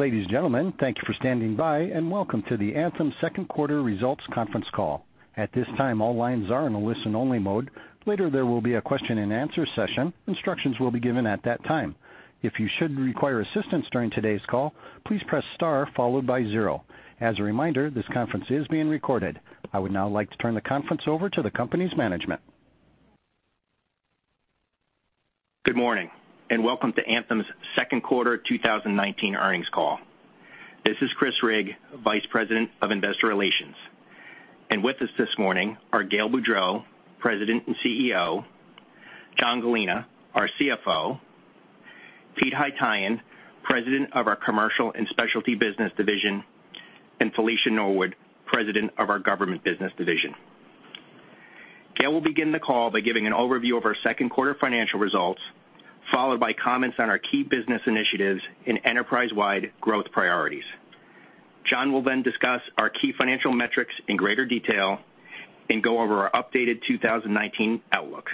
Ladies and gentlemen, thank you for standing by and Welcome to the Anthem Second Quarter Results Conference Call. At this time, all lines are in a listen-only mode. Later, there will be a question and answer session. Instructions will be given at that time. If you should require assistance during today's call, please press star followed by zero. As a reminder, this conference is being recorded. I would now like to turn the conference over to the company's management. Good morning, and welcome to Anthem's second quarter 2019 earnings call. This is Chris Rigg, Vice President of Investor Relations. With us this morning are Gail Boudreaux, President and CEO, John Gallina, our CFO, Pete Haytaian, President of our Commercial and Specialty Business Division, and Felicia Norwood, President of our Government Business Division. Gail will begin the call by giving an overview of our second quarter financial results, followed by comments on our key business initiatives and enterprise-wide growth priorities. John will then discuss our key financial metrics in greater detail and go over our updated 2019 outlook.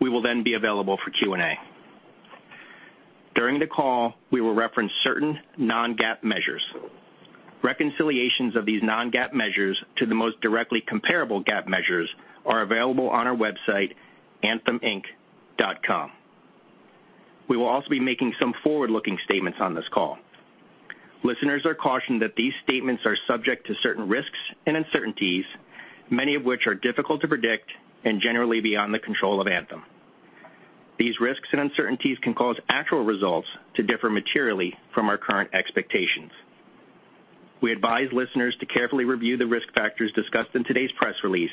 We will then be available for Q&A. During the call, we will reference certain non-GAAP measures. Reconciliations of these non-GAAP measures to the most directly comparable GAAP measures are available on our website, antheminc.com. We will also be making some forward-looking statements on this call. Listeners are cautioned that these statements are subject to certain risks and uncertainties, many of which are difficult to predict and generally beyond the control of Anthem. These risks and uncertainties can cause actual results to differ materially from our current expectations. We advise listeners to carefully review the risk factors discussed in today's press release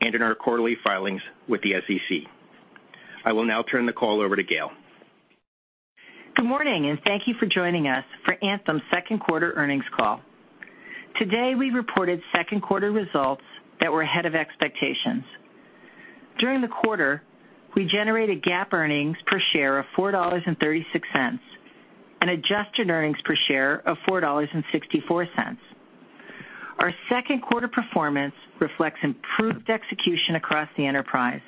and in our quarterly filings with the SEC. I will now turn the call over to Gail. Good morning, thank you for joining us for Anthem's second quarter earnings call. Today, we reported second quarter results that were ahead of expectations. During the quarter, we generated GAAP earnings per share of $4.36 and adjusted earnings per share of $4.64. Our second quarter performance reflects improved execution across the enterprise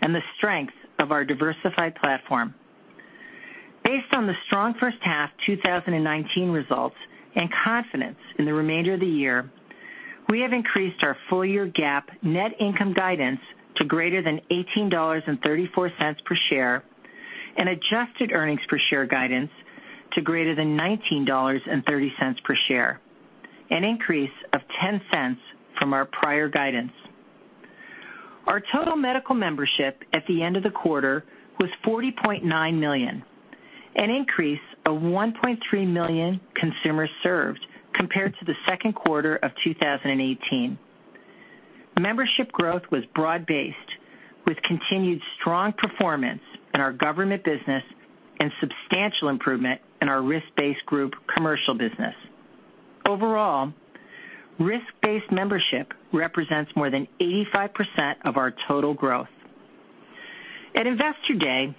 and the strength of our diversified platform. Based on the strong first half 2019 results and confidence in the remainder of the year, we have increased our full year GAAP net income guidance to greater than $18.34 per share and adjusted earnings per share guidance to greater than $19.30 per share, an increase of $0.10 from our prior guidance. Our total medical membership at the end of the quarter was 40.9 million, an increase of 1.3 million consumers served compared to the second quarter of 2018. The membership growth was broad-based with continued strong performance in our government business and substantial improvement in our risk-based group commercial business. Overall, risk-based membership represents more than 85% of our total growth. At Investor Day,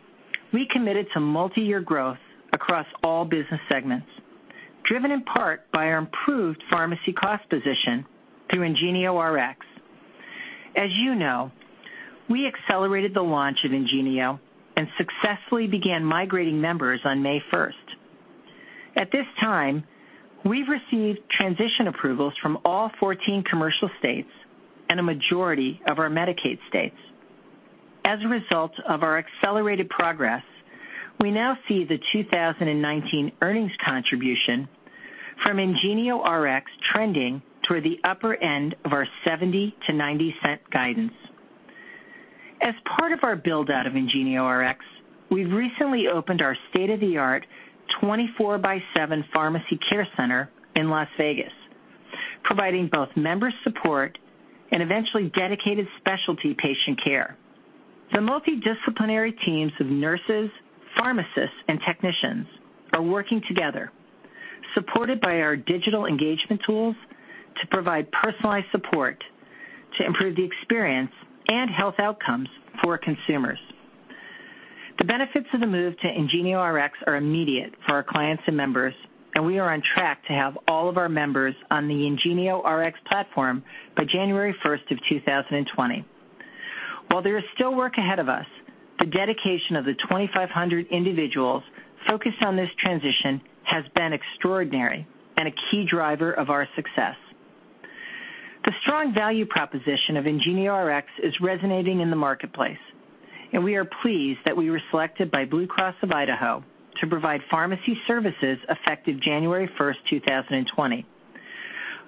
we committed to multiyear growth across all business segments, driven in part by our improved pharmacy cost position through IngenioRx. As you know, we accelerated the launch of IngenioRx and successfully began migrating members on May 1st. At this time, we've received transition approvals from all 14 commercial states and a majority of our Medicaid states. As a result of our accelerated progress, we now see the 2019 earnings contribution from IngenioRx trending toward the upper end of our $0.70-$0.90 guidance. As part of our build-out of IngenioRx, we've recently opened our state-of-the-art 24/7 pharmacy care center in Las Vegas, providing both member support and eventually dedicated specialty patient care. The multidisciplinary teams of nurses, pharmacists, and technicians are working together, supported by our digital engagement tools to provide personalized support to improve the experience and health outcomes for consumers. The benefits of the move to IngenioRx are immediate for our clients and members, and we are on track to have all of our members on the IngenioRx platform by January 1st of 2020. While there is still work ahead of us, the dedication of the 2,500 individuals focused on this transition has been extraordinary and a key driver of our success. The strong value proposition of IngenioRx is resonating in the marketplace. We are pleased that we were selected by Blue Cross of Idaho to provide pharmacy services effective January 1st, 2020.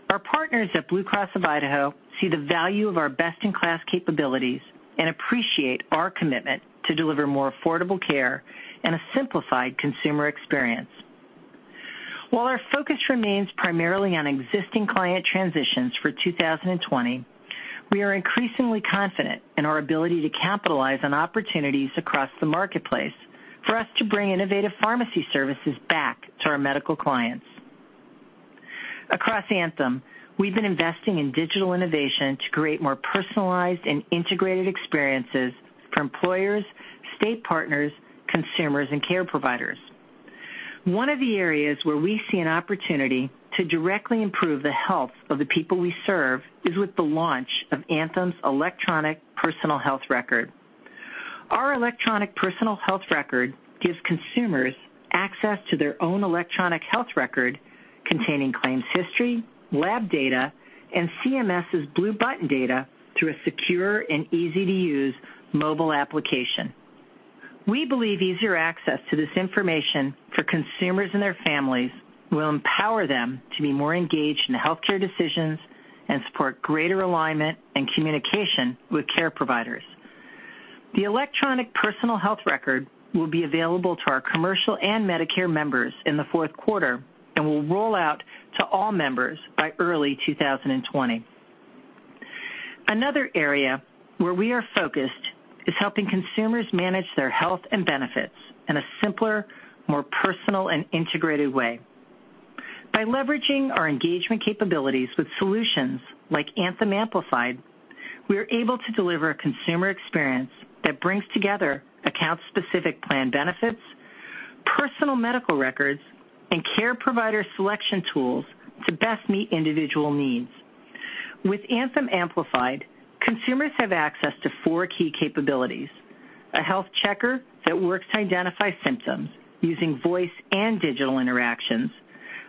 Our partners at Blue Cross of Idaho see the value of our best-in-class capabilities and appreciate our commitment to deliver more affordable care and a simplified consumer experience. While our focus remains primarily on existing client transitions for 2020, we are increasingly confident in our ability to capitalize on opportunities across the marketplace for us to bring innovative pharmacy services back to our medical clients. Across Anthem, we've been investing in digital innovation to create more personalized and integrated experiences for employers, state partners, consumers, and care providers. One of the areas where we see an opportunity to directly improve the health of the people we serve is with the launch of Anthem's electronic personal health record. Our electronic personal health record gives consumers access to their own electronic health record containing claims history, lab data, and CMS's Blue Button data through a secure and easy-to-use mobile application. We believe easier access to this information for consumers and their families will empower them to be more engaged in their healthcare decisions and support greater alignment and communication with care providers. The electronic personal health record will be available to our commercial and Medicare members in the fourth quarter and will roll out to all members by early 2020. Another area where we are focused is helping consumers manage their health and benefits in a simpler, more personal, and integrated way. By leveraging our engagement capabilities with solutions like Anthem Amplified, we are able to deliver a consumer experience that brings together account-specific plan benefits, personal medical records, and care provider selection tools to best meet individual needs. With Anthem Amplified, consumers have access to four key capabilities, a health checker that works to identify symptoms using voice and digital interactions,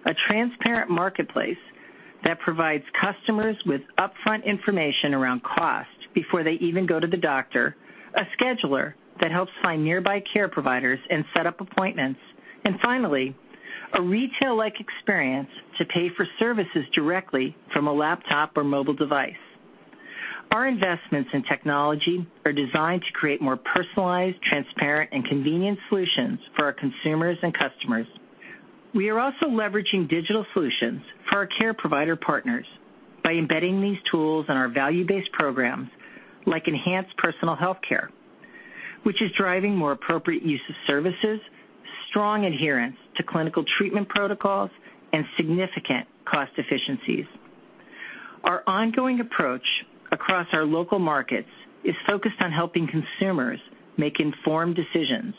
a transparent marketplace that provides customers with upfront information around cost before they even go to the doctor, a scheduler that helps find nearby care providers and set up appointments, and finally, a retail-like experience to pay for services directly from a laptop or mobile device. Our investments in technology are designed to create more personalized, transparent, and convenient solutions for our consumers and customers. We are also leveraging digital solutions for our care provider partners by embedding these tools in our value-based programs, like Enhanced Personal Health Care, which is driving more appropriate use of services, strong adherence to clinical treatment protocols, and significant cost efficiencies. Our ongoing approach across our local markets is focused on helping consumers make informed decisions,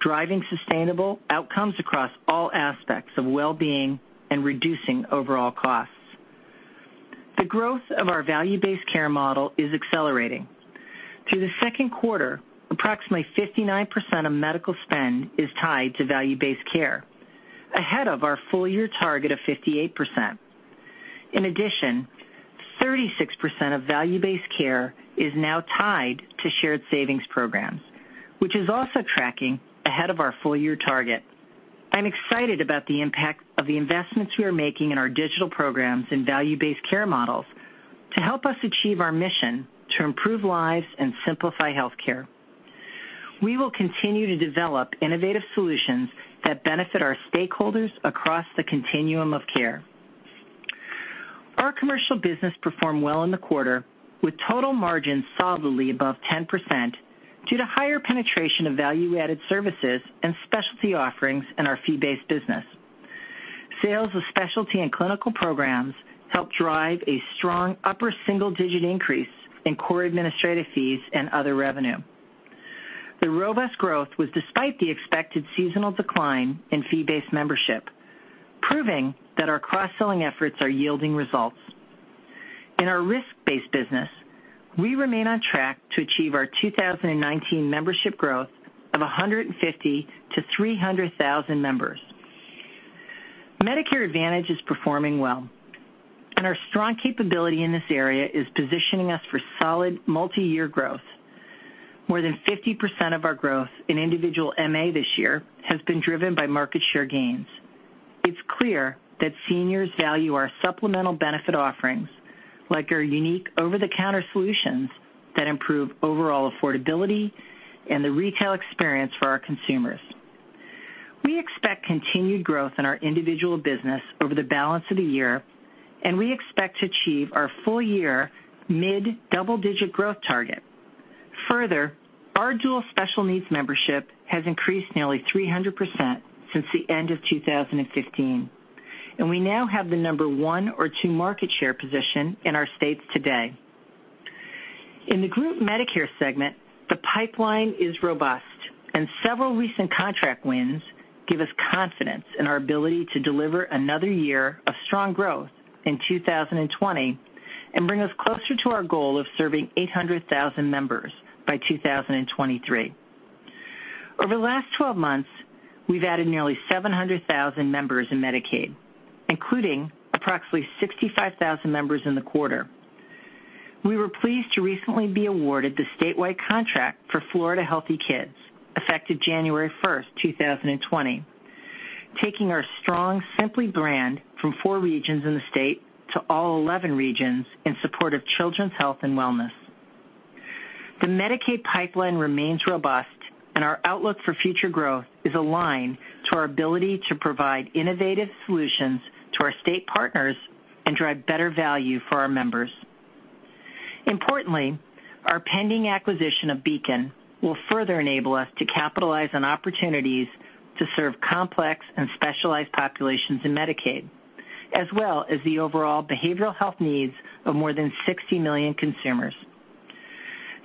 driving sustainable outcomes across all aspects of wellbeing and reducing overall costs. The growth of our value-based care model is accelerating. Through the second quarter, approximately 59% of medical spend is tied to value-based care, ahead of our full-year target of 58%. In addition, 36% of value-based care is now tied to shared savings programs, which is also tracking ahead of our full-year target. I'm excited about the impact of the investments we are making in our digital programs and value-based care models to help us achieve our mission to improve lives and simplify healthcare. We will continue to develop innovative solutions that benefit our stakeholders across the continuum of care. Our commercial business performed well in the quarter, with total margins solidly above 10% due to higher penetration of value-added services and specialty offerings in our fee-based business. Sales of specialty and clinical programs helped drive a strong upper single-digit increase in core administrative fees and other revenue. The robust growth was despite the expected seasonal decline in fee-based membership, proving that our cross-selling efforts are yielding results. In our risk-based business, we remain on track to achieve our 2019 membership growth of 150-300,000 members. Medicare Advantage is performing well, and our strong capability in this area is positioning us for solid multiyear growth. More than 50% of our growth in individual MA this year has been driven by market share gains. It's clear that seniors value our supplemental benefit offerings, like our unique over-the-counter solutions that improve overall affordability and the retail experience for our consumers. We expect continued growth in our individual business over the balance of the year, and we expect to achieve our full-year mid-double-digit growth target. Further, our dual special needs membership has increased nearly 300% since the end of 2015, and we now have the number one or two market share position in our states today. In the Group Medicare segment, the pipeline is robust, and several recent contract wins give us confidence in our ability to deliver another year of strong growth in 2020 and bring us closer to our goal of serving 800,000 members by 2023. Over the last 12 months, we've added nearly 700,000 members in Medicaid, including approximately 65,000 members in the quarter. We were pleased to recently be awarded the statewide contract for Florida Healthy Kids, effective January 1st, 2020, taking our strong Simply brand from four regions in the state to all 11 regions in support of children's health and wellness. The Medicaid pipeline remains robust, and our outlook for future growth is aligned to our ability to provide innovative solutions to our state partners and drive better value for our members. Importantly, our pending acquisition of Beacon will further enable us to capitalize on opportunities to serve complex and specialized populations in Medicaid, as well as the overall behavioral health needs of more than 60 million consumers.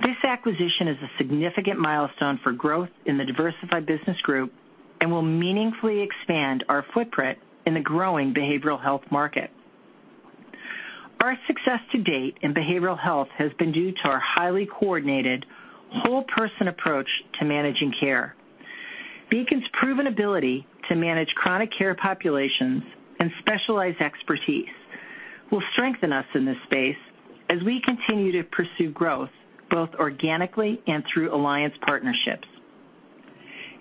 This acquisition is a significant milestone for growth in the diversified business group and will meaningfully expand our footprint in the growing behavioral health market. Our success to date in behavioral health has been due to our highly coordinated whole person approach to managing care. Beacon's proven ability to manage chronic care populations and specialized expertise will strengthen us in this space as we continue to pursue growth both organically and through alliance partnerships.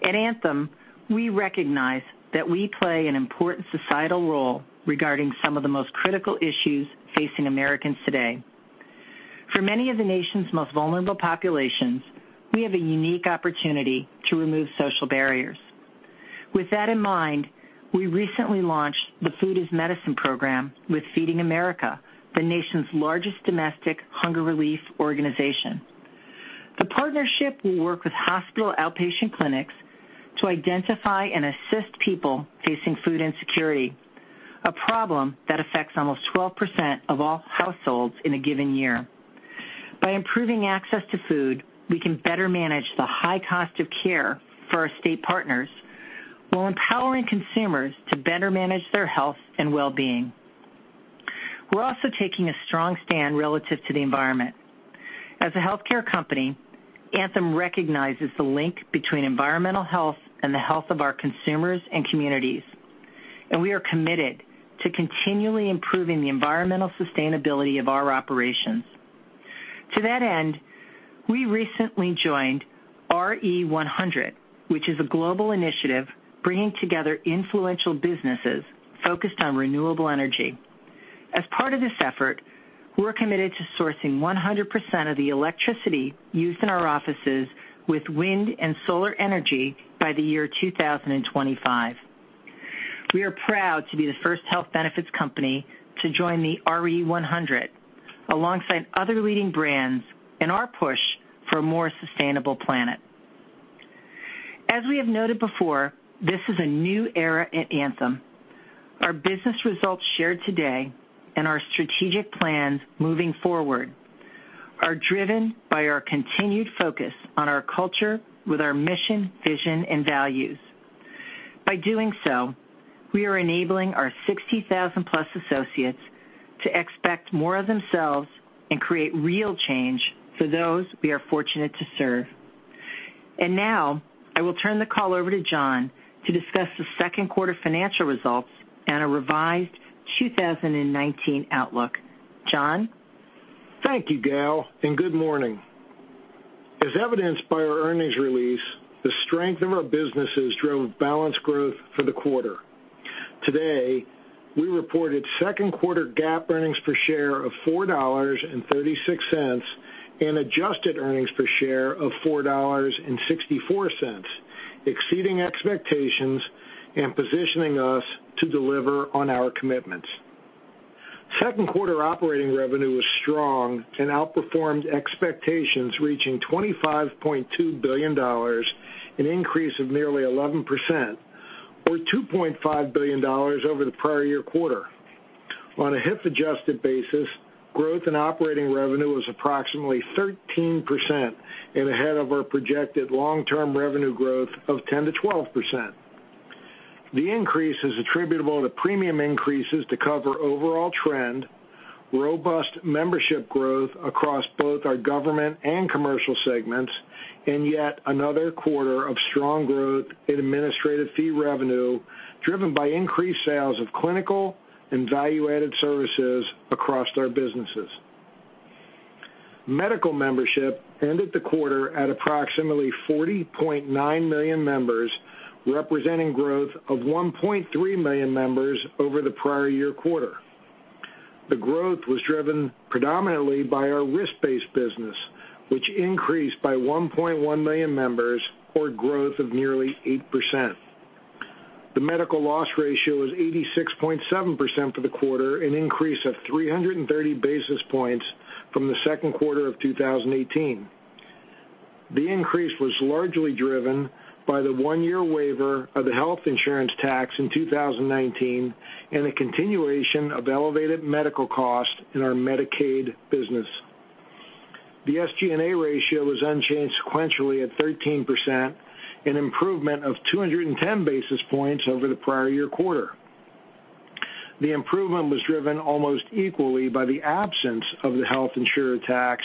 At Anthem, we recognize that we play an important societal role regarding some of the most critical issues facing Americans today. For many of the nation's most vulnerable populations, we have a unique opportunity to remove social barriers. With that in mind, we recently launched the Food is Medicine program with Feeding America, the nation's largest domestic hunger relief organization. The partnership will work with hospital outpatient clinics to identify and assist people facing food insecurity, a problem that affects almost 12% of all households in a given year. By improving access to food, we can better manage the high cost of care for our state partners, while empowering consumers to better manage their health and wellbeing. We're also taking a strong stand relative to the environment. As a healthcare company, Anthem recognizes the link between environmental health and the health of our consumers and communities, and we are committed to continually improving the environmental sustainability of our operations. To that end, we recently joined RE100, which is a global initiative bringing together influential businesses focused on renewable energy. As part of this effort, we're committed to sourcing 100% of the electricity used in our offices with wind and solar energy by the year 2025. We are proud to be the first health benefits company to join the RE100 alongside other leading brands in our push for a more sustainable planet. As we have noted before, this is a new era at Anthem. Our business results shared today and our strategic plans moving forward are driven by our continued focus on our culture with our mission, vision, and values. By doing so, we are enabling our 60,000+ associates to expect more of themselves and create real change for those we are fortunate to serve. Now, I will turn the call over to John to discuss the second quarter financial results and a revised 2019 outlook. John? Thank you, Gail, and good morning. As evidenced by our earnings release, the strength of our businesses drove balanced growth for the quarter. Today, we reported second quarter GAAP earnings per share of $4.36 and adjusted earnings per share of $4.64, exceeding expectations and positioning us to deliver on our commitments. Second quarter operating revenue was strong and outperformed expectations, reaching $25.2 billion, an increase of nearly 11% or $2.5 billion over the prior year quarter. On a HIF-adjusted basis, growth in operating revenue was approximately 13% and ahead of our projected long-term revenue growth of 10%-12%. The increase is attributable to premium increases to cover overall trend, robust membership growth across both our Government and Commercial segments, and yet another quarter of strong growth in administrative fee revenue, driven by increased sales of clinical and value-added services across our businesses. Medical membership ended the quarter at approximately 40.9 million members, representing growth of 1.3 million members over the prior year quarter. The growth was driven predominantly by our risk-based business, which increased by 1.1 million members, or growth of nearly 8%. The Medical Loss Ratio was 86.7% for the quarter, an increase of 330 basis points from the second quarter of 2018. The increase was largely driven by the one-year waiver of the health insurance tax in 2019 and a continuation of elevated medical costs in our Medicaid business. The SG&A ratio was unchanged sequentially at 13%, an improvement of 210 basis points over the prior year quarter. The improvement was driven almost equally by the absence of the health insurance tax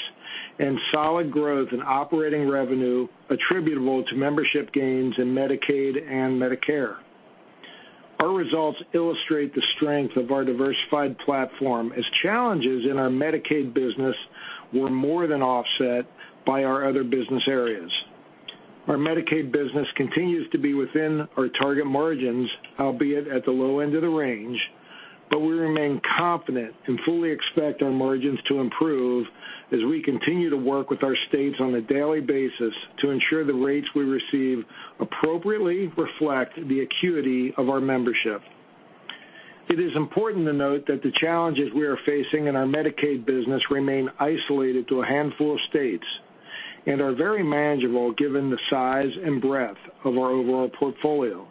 and solid growth in operating revenue attributable to membership gains in Medicaid and Medicare. Our results illustrate the strength of our diversified platform as challenges in our Medicaid business were more than offset by our other business areas. Our Medicaid business continues to be within our target margins, albeit at the low end of the range, but we remain confident and fully expect our margins to improve as we continue to work with our states on a daily basis to ensure the rates we receive appropriately reflect the acuity of our membership. It is important to note that the challenges we are facing in our Medicaid business remain isolated to a handful of states and are very manageable given the size and breadth of our overall portfolio.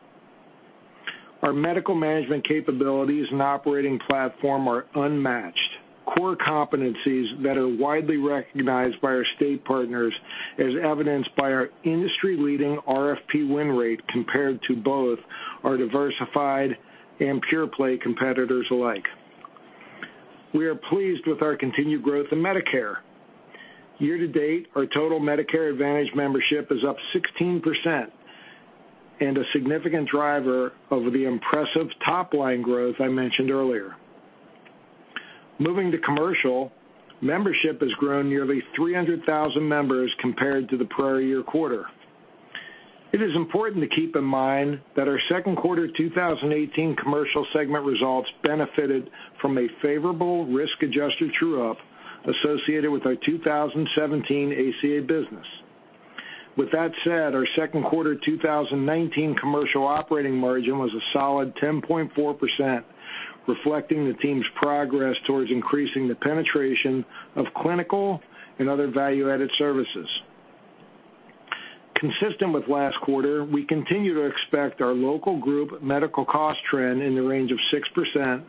Our medical management capabilities and operating platform are unmatched, core competencies that are widely recognized by our state partners as evidenced by our industry-leading RFP win rate compared to both our diversified and pure-play competitors alike. We are pleased with our continued growth in Medicare. Year to date, our total Medicare Advantage membership is up 16% and a significant driver of the impressive top-line growth I mentioned earlier. Moving to commercial, membership has grown nearly 300,000 members compared to the prior year quarter. It is important to keep in mind that our second quarter 2018 commercial segment results benefited from a favorable risk-adjusted true-up associated with our 2017 ACA business. With that said, our second quarter 2019 commercial operating margin was a solid 10.4%, reflecting the team's progress towards increasing the penetration of clinical and other value-added services. Consistent with last quarter, we continue to expect our local group medical cost trend in the range of 6%,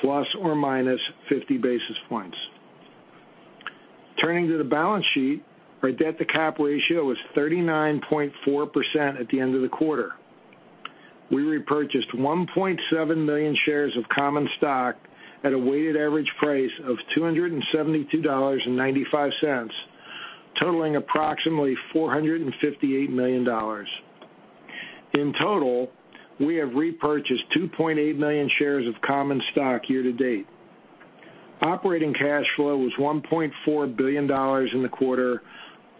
±50 basis points. Turning to the balance sheet, our debt-to-cap ratio was 39.4% at the end of the quarter. We repurchased 1.7 million shares of common stock at a weighted average price of $272.95, totaling approximately $458 million. In total, we have repurchased 2.8 million shares of common stock year-to-date. Operating cash flow was $1.4 billion in the quarter,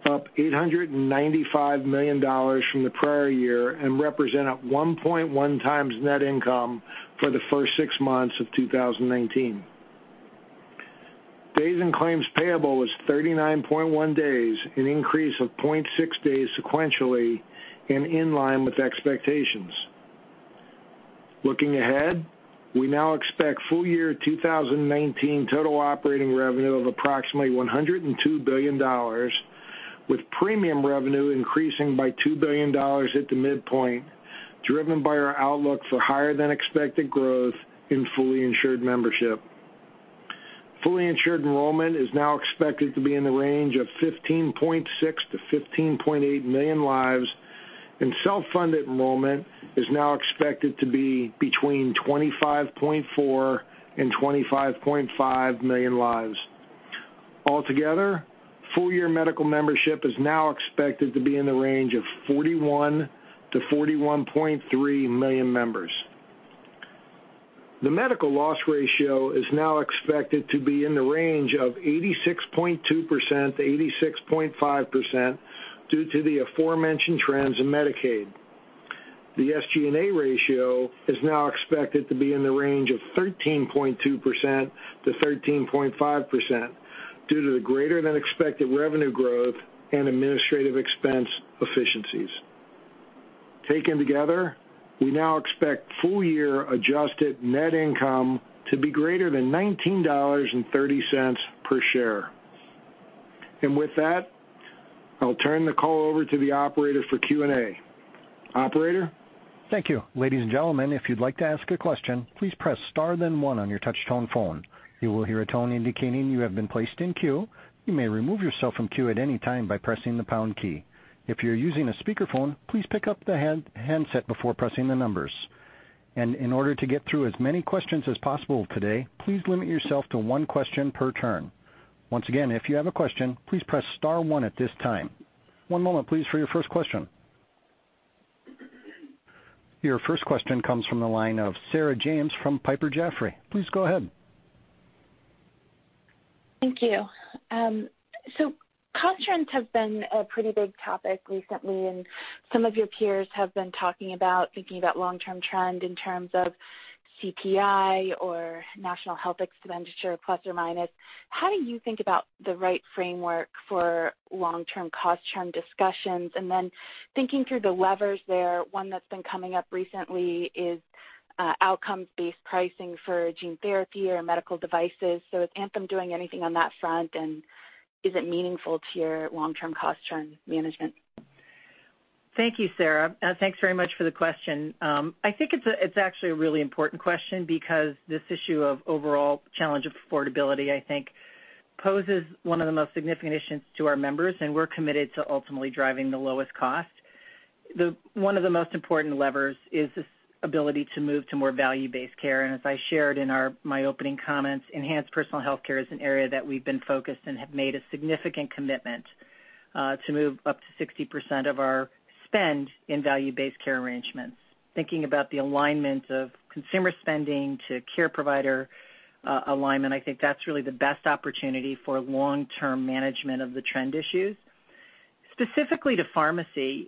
up $895 million from the prior year, and represented 1.1 times net income for the first six months of 2019. Days in claims payable was 39.1 days, an increase of 0.6 days sequentially and in line with expectations. Looking ahead, we now expect full year 2019 total operating revenue of approximately $102 billion, with premium revenue increasing by $2 billion at the midpoint, driven by our outlook for higher than expected growth in fully insured membership. Fully insured enrollment is now expected to be in the range of 15.6 million-15.8 million lives, and self-funded enrollment is now expected to be between 25.4 million and 25.5 million lives. Altogether, full year medical membership is now expected to be in the range of 41 million-41.3 million members. The Medical Loss Ratio is now expected to be in the range of 86.2%-86.5% due to the aforementioned trends in Medicaid. The SG&A ratio is now expected to be in the range of 13.2%-13.5% due to the greater than expected revenue growth and administrative expense efficiencies. Taken together, we now expect full year adjusted net income to be greater than $19.30 per share. With that, I'll turn the call over to the operator for Q&A. Operator? Thank you. Ladies and gentlemen, if you'd like to ask a question, please press star then one on your touch tone phone. You will hear a tone indicating you have been placed in queue. You may remove yourself from queue at any time by pressing the pound key. If you're using a speakerphone, please pick up the handset before pressing the numbers. In order to get through as many questions as possible today, please limit yourself to one question per turn. Once again, if you have a question, please press star one at this time. One moment please for your first question. Your first question comes from the line of Sarah James from Piper Jaffray. Please go ahead. Thank you. Cost trends have been a pretty big topic recently, and some of your peers have been talking about thinking about long-term trend in terms of CPI or national health expenditure, plus or minus. How do you think about the right framework for long-term cost trend discussions? Thinking through the levers there, one that's been coming up recently is outcomes-based pricing for gene therapy or medical devices. Is Anthem doing anything on that front, and is it meaningful to your long-term cost trend management? Thank you, Sarah, and thanks very much for the question. I think it's actually a really important question because this issue of overall challenge of affordability, I think, poses one of the most significant issues to our members, and we're committed to ultimately driving the lowest cost. One of the most important levers is this ability to move to more value-based care, and as I shared in my opening comments, Enhanced Personal Health Care is an area that we've been focused and have made a significant commitment to move up to 60% of our spend in value-based care arrangements. Thinking about the alignment of consumer spending to care provider alignment, I think that's really the best opportunity for long-term management of the trend issues. Specifically to pharmacy,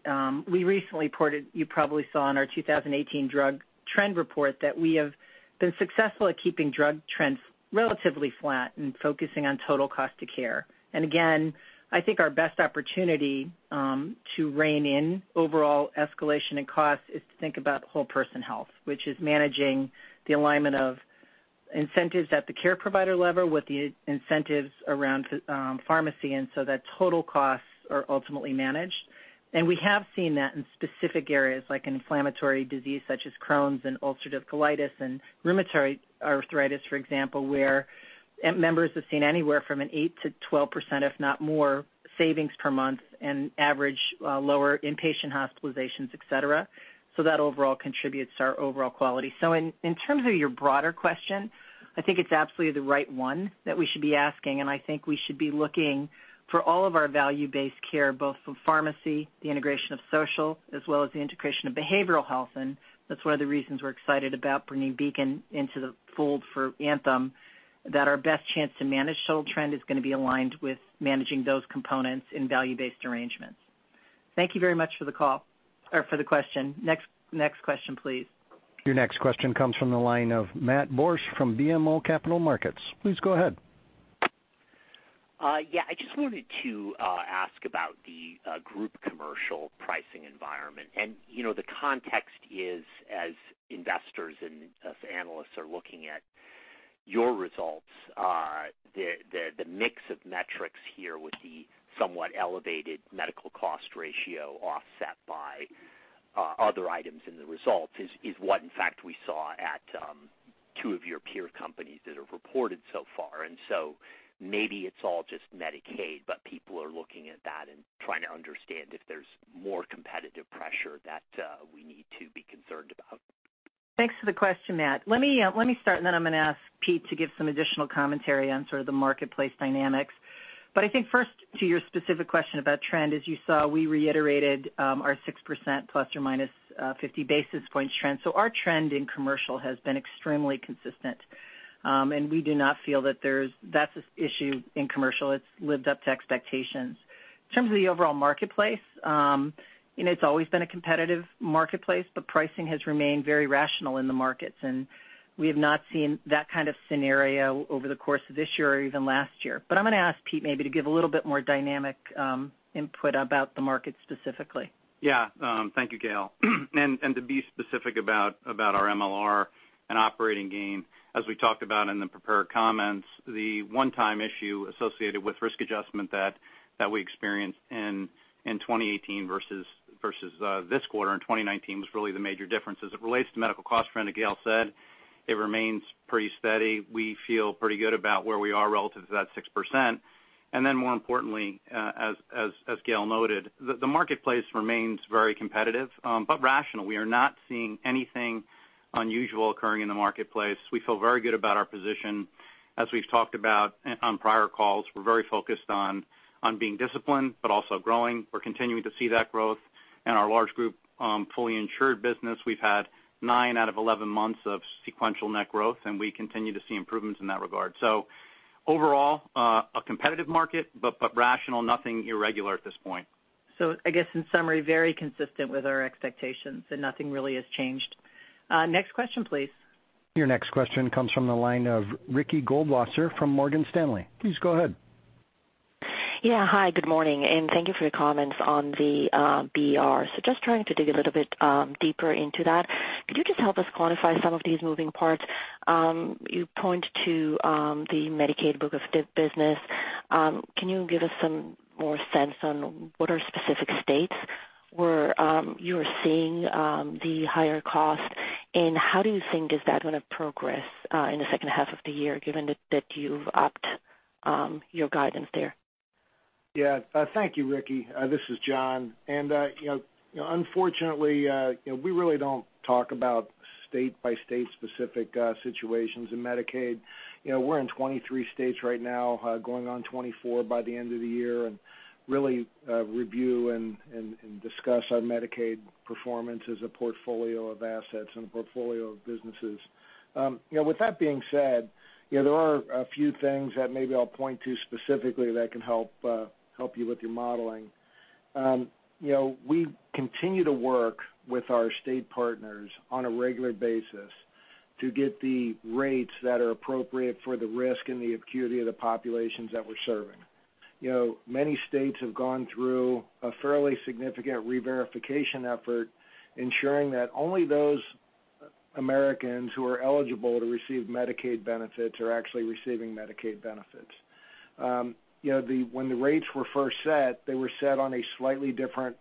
we recently reported, you probably saw in our 2018 drug trend report, that we have been successful at keeping drug trends relatively flat and focusing on total cost of care. Again, I think our best opportunity to rein in overall escalation and cost is to think about whole person health, which is managing the alignment of incentives at the care provider level with the incentives around pharmacy, and so that total costs are ultimately managed. We have seen that in specific areas like inflammatory disease such as Crohn's and ulcerative colitis and rheumatoid arthritis, for example, where members have seen anywhere from an 8%-12%, if not more, savings per month and average lower inpatient hospitalizations, et cetera. That overall contributes to our overall quality. In terms of your broader question, I think it's absolutely the right one that we should be asking, and I think we should be looking for all of our value-based care, both from pharmacy, the integration of social, as well as the integration of behavioral health, and that's one of the reasons we're excited about bringing Beacon into the fold for Anthem, that our best chance to manage total trend is going to be aligned with managing those components in value-based arrangements. Thank you very much for the call or for the question. Next question, please. Your next question comes from the line of Matt Borsch from BMO Capital Markets. Please go ahead. Yeah. I just wanted to ask about the group commercial pricing environment. The context is as investors and us analysts are looking at your results, the mix of metrics here with the somewhat elevated medical cost ratio offset by other items in the results is what in fact we saw at two of your peer companies that have reported so far. Maybe it's all just Medicaid, but people are looking at that and trying to understand if there's more competitive pressure that we need to be concerned about. Thanks for the question, Matt. Let me start, then I'm going to ask Pete to give some additional commentary on sort of the marketplace dynamics. I think first to your specific question about trend, as you saw, we reiterated our 6% ±50 basis points trend. Our trend in commercial has been extremely consistent, and we do not feel that that's an issue in commercial. It's lived up to expectations. In terms of the overall marketplace, it's always been a competitive marketplace, but pricing has remained very rational in the markets, and we have not seen that kind of scenario over the course of this year or even last year. I'm going to ask Pete maybe to give a little bit more dynamic input about the market specifically. Yeah. Thank you, Gail. To be specific about our MLR and operating gain, as we talked about in the prepared comments, the one-time issue associated with risk adjustment that we experienced in 2018 versus this quarter in 2019 was really the major difference. As it relates to medical cost trend, as Gail said, it remains pretty steady. We feel pretty good about where we are relative to that 6%. More importantly, as Gail noted, the marketplace remains very competitive but rational. We are not seeing anything unusual occurring in the marketplace. We feel very good about our position. As we've talked about on prior calls, we're very focused on being disciplined but also growing. We're continuing to see that growth in our large group fully insured business. We've had nine out of 11 months of sequential net growth, and we continue to see improvements in that regard. Overall, a competitive market, but rational, nothing irregular at this point. I guess in summary, very consistent with our expectations, and nothing really has changed. Next question, please. Your next question comes from the line of Ricky Goldwasser from Morgan Stanley. Please go ahead. Hi, good morning, and thank you for your comments on the BR. Just trying to dig a little bit deeper into that, could you just help us quantify some of these moving parts? You point to the Medicaid book of business. Can you give us some more sense on what are specific states where you are seeing the higher cost, and how do you think is that going to progress in the second half of the year, given that you've upped your guidance there? Yeah. Thank you, Ricky. This is John. Unfortunately, we really don't talk about state-by-state specific situations in Medicaid. We're in 23 states right now, going on 24 by the end of the year, and really review and discuss our Medicaid performance as a portfolio of assets and a portfolio of businesses. With that being said, there are a few things that maybe I'll point to specifically that can help you with your modeling. We continue to work with our state partners on a regular basis to get the rates that are appropriate for the risk and the acuity of the populations that we're serving. Many states have gone through a fairly significant reverification effort ensuring that only those Americans who are eligible to receive Medicaid benefits are actually receiving Medicaid benefits. When the rates were first set, they were set on a slightly different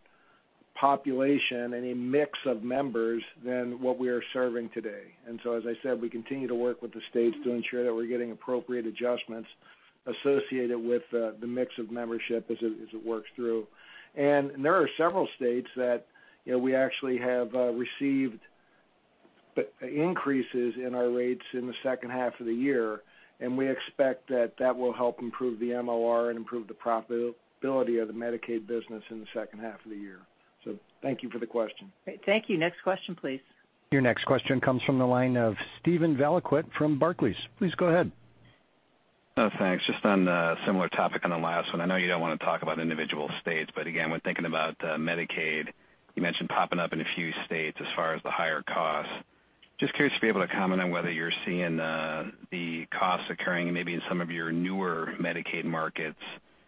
population and a mix of members than what we are serving today. As I said, we continue to work with the states to ensure that we're getting appropriate adjustments associated with the mix of membership as it works through. There are several states that we actually have received increases in our rates in the second half of the year, and we expect that that will help improve the MLR and improve the profitability of the Medicaid business in the second half of the year. Thank you for the question. Great. Thank you. Next question, please. Your next question comes from the line of Steven Valiquette from Barclays. Please go ahead. Thanks. Just on a similar topic on the last one. I know you don't want to talk about individual states, again, when thinking about Medicaid, you mentioned popping up in a few states as far as the higher costs. Just curious if you're able to comment on whether you're seeing the costs occurring maybe in some of your newer Medicaid markets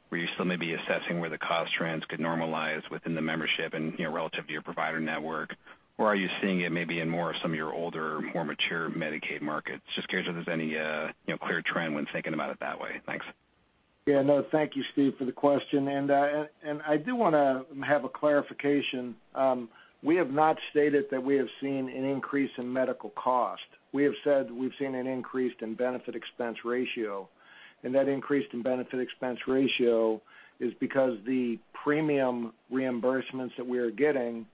where you're still maybe assessing where the cost trends could normalize within the membership and relative to your provider network, or are you seeing it maybe in more of some of your older, more mature Medicaid markets? Just curious if there's any clear trend when thinking about it that way. Thanks. Thank you, Steven, for the question. I do want to have a clarification. We have not stated that we have seen an increase in medical cost. We have said we've seen an increase in benefit expense ratio. That increase in benefit expense ratio is because the premium reimbursements that we are getting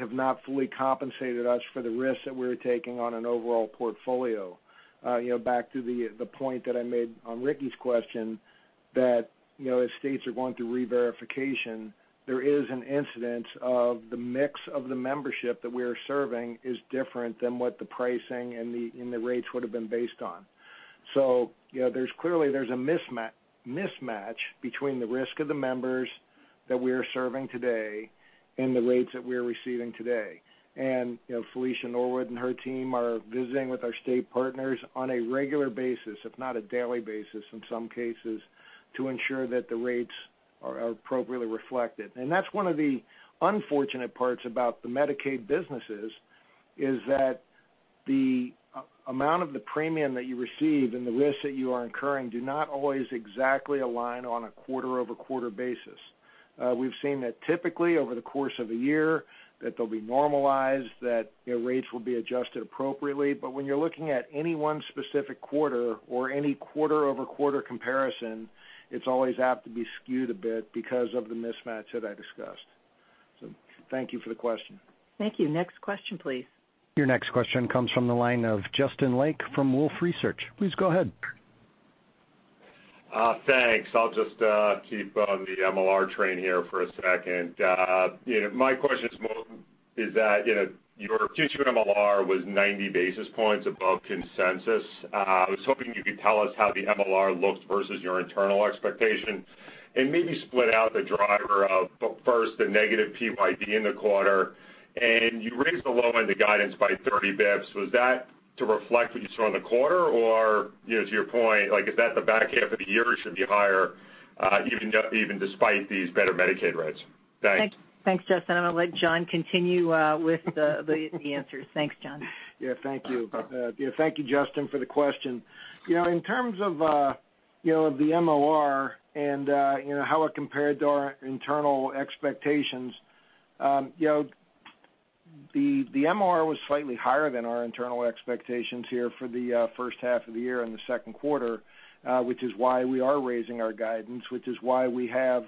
have not fully compensated us for the risks that we're taking on an overall portfolio. Back to the point that I made on Ricky's question, that as states are going through reverification, there is an incidence of the mix of the membership that we are serving is different than what the pricing and the rates would've been based on. Clearly, there's a mismatch between the risk of the members that we are serving today and the rates that we are receiving today. Felicia Norwood and her team are visiting with our state partners on a regular basis, if not a daily basis in some cases, to ensure that the rates are appropriately reflected. That's one of the unfortunate parts about the Medicaid businesses, is that the amount of the premium that you receive and the risks that you are incurring do not always exactly align on a quarter-over-quarter basis. We've seen that typically over the course of a year, that they'll be normalized, that rates will be adjusted appropriately. When you're looking at any one specific quarter or any quarter-over-quarter comparison, it's always apt to be skewed a bit because of the mismatch that I discussed. Thank you for the question. Thank you. Next question, please. Your next question comes from the line of Justin Lake from Wolfe Research. Please go ahead. Thanks. I'll just keep on the MLR train here for a second. My question is that your Q2 MLR was 90 basis points above consensus. I was hoping you could tell us how the MLR looks versus your internal expectation, and maybe split out the driver of, first, the negative PYD in the quarter. You raised the low end of guidance by 30 basis points. Was that to reflect what you saw in the quarter? Or to your point, is that the back half of the year should be higher, even despite these better Medicaid rates? Thanks. Thanks, Justin. I'm going to let John continue with the answers. Thanks, John. Thank you. Thank you, Justin, for the question. In terms of the MLR and how it compared to our internal expectations, the MLR was slightly higher than our internal expectations here for the first half of the year and the second quarter, which is why we are raising our guidance, which is why we have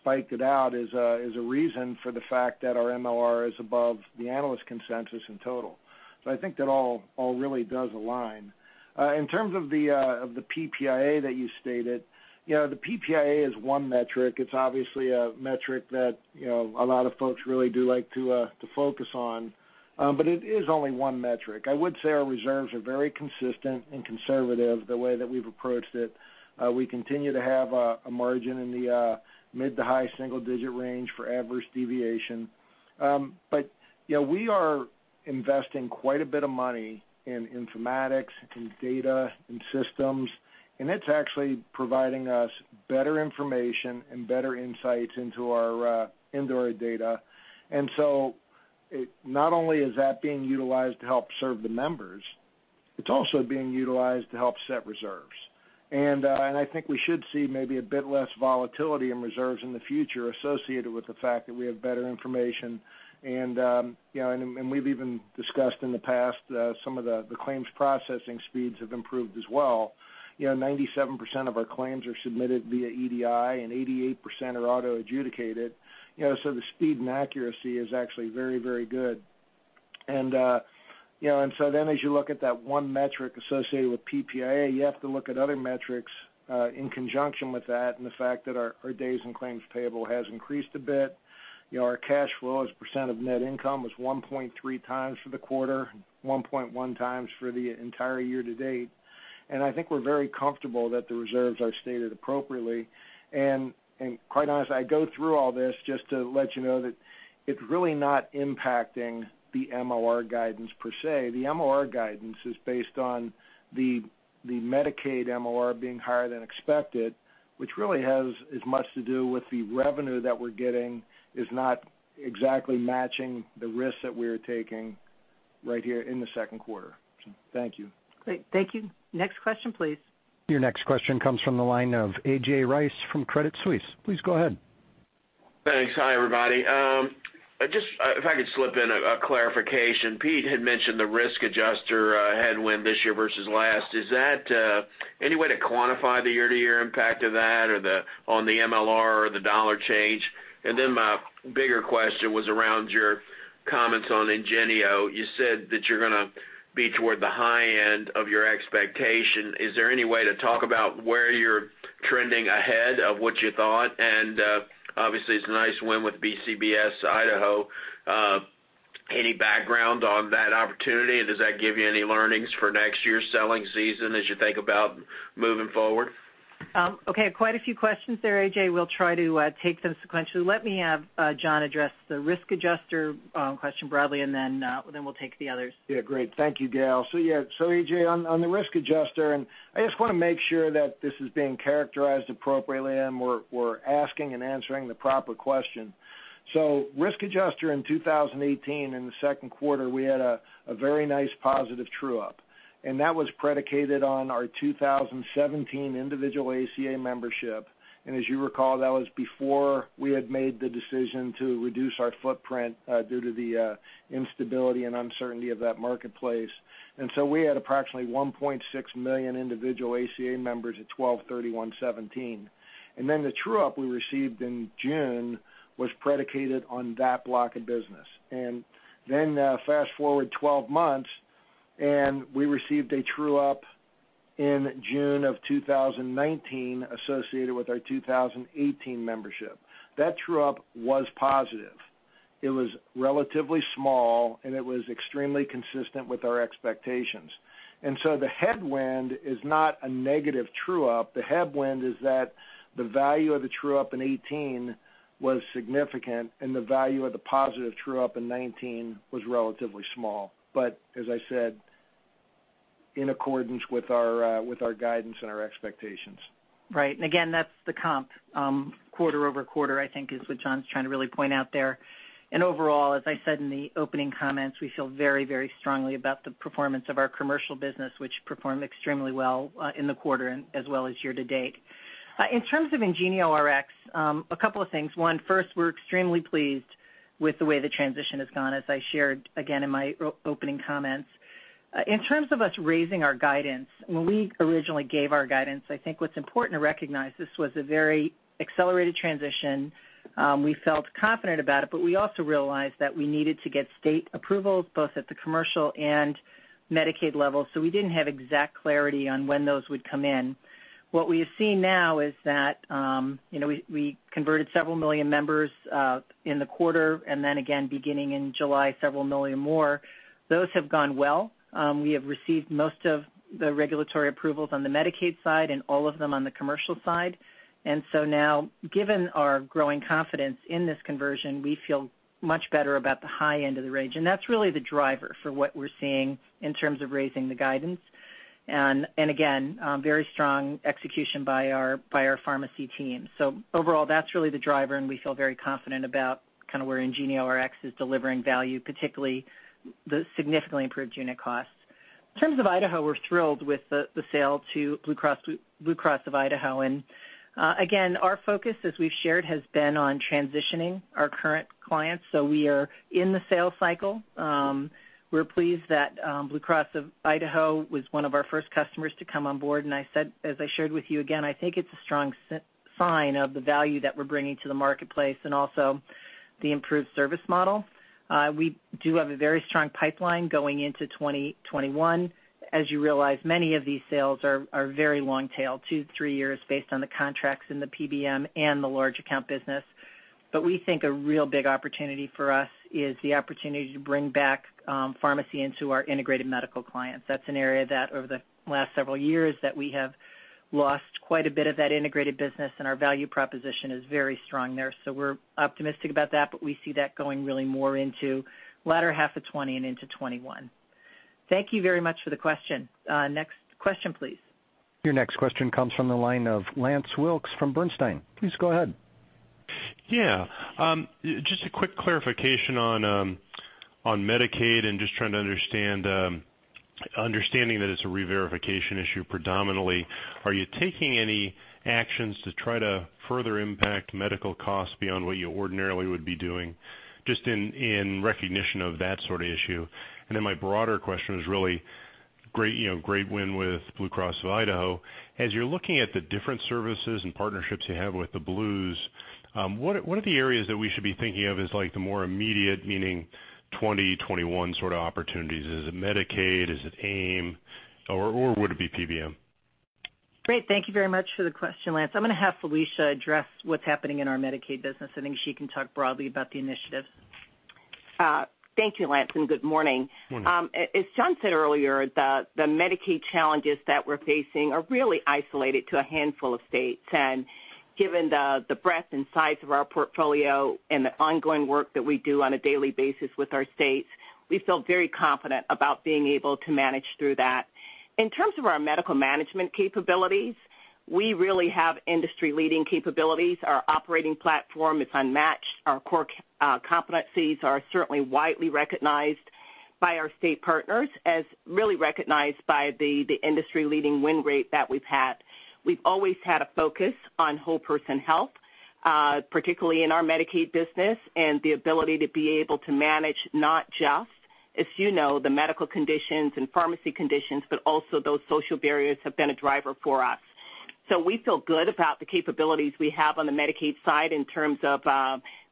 spiked it out as a reason for the fact that our MLR is above the analyst consensus in total. I think that all really does align. In terms of the PPIA that you stated, the PPIA is one metric. It's obviously a metric that a lot of folks really do like to focus on. It is only one metric. I would say our reserves are very consistent and conservative the way that we've approached it. We continue to have a margin in the mid to high single-digit range for adverse deviation. We are investing quite a bit of money in informatics, in data, in systems, and it's actually providing us better information and better insights into our data. Not only is that being utilized to help serve the members, it's also being utilized to help set reserves. I think we should see maybe a bit less volatility in reserves in the future associated with the fact that we have better information. We've even discussed in the past that some of the claims processing speeds have improved as well. 97% of our claims are submitted via EDI, and 88% are auto adjudicated, so the speed and accuracy is actually very good. Then as you look at that one metric associated with PPIA, you have to look at other metrics in conjunction with that, and the fact that our days in claims payable has increased a bit. Our cash flow as a % of net income was 1.3x for the quarter, 1.1x for the entire year to date. I think we're very comfortable that the reserves are stated appropriately. Quite honest, I go through all this just to let you know that it's really not impacting the MLR guidance per se. The MLR guidance is based on the Medicaid MLR being higher than expected, which really has as much to do with the revenue that we're getting is not exactly matching the risks that we're taking right here in the second quarter. Thank you. Great. Thank you. Next question, please. Your next question comes from the line of A.J. Rice from Credit Suisse. Please go ahead. Thanks. Hi, everybody. If I could slip in a clarification. Pete had mentioned the risk adjuster headwind this year versus last. Is that any way to quantify the year-to-year impact of that on the MLR or the dollar change? My bigger question was around your comments on IngenioRx. You said that you're going to be toward the high end of your expectation. Is there any way to talk about where you're trending ahead of what you thought? Obviously it's a nice win with BCBS Idaho. Any background on that opportunity? Does that give you any learnings for next year's selling season as you think about moving forward? Okay, quite a few questions there, A.J. We'll try to take them sequentially. Let me have John address the risk adjuster question broadly, and then we'll take the others. Yeah, great. Thank you, Gail. Yeah, A.J., on the risk adjuster, and I just want to make sure that this is being characterized appropriately and we're asking and answering the proper question. Risk adjuster in 2018, in the second quarter, we had a very nice positive true-up, and that was predicated on our 2017 individual ACA membership. As you recall, that was before we had made the decision to reduce our footprint due to the instability and uncertainty of that marketplace. We had approximately 1.6 million individual ACA members at 12/31/2017. The true-up we received in June was predicated on that block of business. Fast-forward 12 months, and we received a true-up in June of 2019 associated with our 2018 membership. That true-up was positive. It was relatively small, and it was extremely consistent with our expectations. The headwind is not a negative true-up. The headwind is that the value of the true-up in 2018 was significant, and the value of the positive true-up in 2019 was relatively small. As I said, in accordance with our guidance and our expectations. Right. Again, that's the comp quarter-over-quarter, I think is what John's trying to really point out there. Overall, as I said in the opening comments, we feel very, very strongly about the performance of our commercial business, which performed extremely well in the quarter and as well as year-to-date. In terms of IngenioRx, a couple of things. One, first, we're extremely pleased with the way the transition has gone, as I shared, again, in my opening comments. In terms of us raising our guidance, when we originally gave our guidance, I think what's important to recognize, this was a very accelerated transition. We felt confident about it, but we also realized that we needed to get state approvals both at the commercial and Medicaid level, so we didn't have exact clarity on when those would come in. What we have seen now is that we converted several million members in the quarter, then again, beginning in July, several million more. Those have gone well. We have received most of the regulatory approvals on the Medicaid side and all of them on the commercial side. Now, given our growing confidence in this conversion, we feel much better about the high end of the range. That's really the driver for what we're seeing in terms of raising the guidance. Again, very strong execution by our pharmacy team. Overall, that's really the driver, and we feel very confident about where IngenioRx is delivering value, particularly the significantly improved unit costs. In terms of Idaho, we're thrilled with the sale to Blue Cross of Idaho. Again, our focus, as we've shared, has been on transitioning our current clients. We are in the sales cycle. We're pleased that Blue Cross of Idaho was one of our first customers to come on board. As I shared with you, again, I think it's a strong sign of the value that we're bringing to the marketplace and also the improved service model. We do have a very strong pipeline going into 2021. As you realize, many of these sales are very long tail, two to three years based on the contracts in the PBM and the large account business. We think a real big opportunity for us is the opportunity to bring back pharmacy into our integrated medical clients. That's an area that over the last several years, that we have lost quite a bit of that integrated business, and our value proposition is very strong there. We're optimistic about that, but we see that going really more into latter half of 2020 and into 2021. Thank you very much for the question. Next question, please. Your next question comes from the line of Lance Wilkes from Sanford C. Bernstein. Please go ahead. Yeah. Just a quick clarification on Medicaid and just trying to understanding that it's a reverification issue predominantly. Are you taking any actions to try to further impact medical costs beyond what you ordinarily would be doing, just in recognition of that sort of issue? My broader question is really great win with Blue Cross of Idaho. As you're looking at the different services and partnerships you have with the Blues, what are the areas that we should be thinking of as the more immediate, meaning 2021 sort of opportunities? Is it Medicaid? Is it AIM? Would it be PBM? Great. Thank you very much for the question, Lance. I'm going to have Felicia address what's happening in our Medicaid business. I think she can talk broadly about the initiatives. Thank you, Lance, and good morning. Morning. As John said earlier, the Medicaid challenges that we're facing are really isolated to a handful of states. Given the breadth and size of our portfolio and the ongoing work that we do on a daily basis with our states, we feel very confident about being able to manage through that. In terms of our medical management capabilities, we really have industry-leading capabilities. Our operating platform is unmatched. Our core competencies are certainly widely recognized by our state partners as really recognized by the industry-leading win rate that we've had. We've always had a focus on whole person health, particularly in our Medicaid business, and the ability to be able to manage not just, as you know, the medical conditions and pharmacy conditions, but also those social barriers have been a driver for us. We feel good about the capabilities we have on the Medicaid side in terms of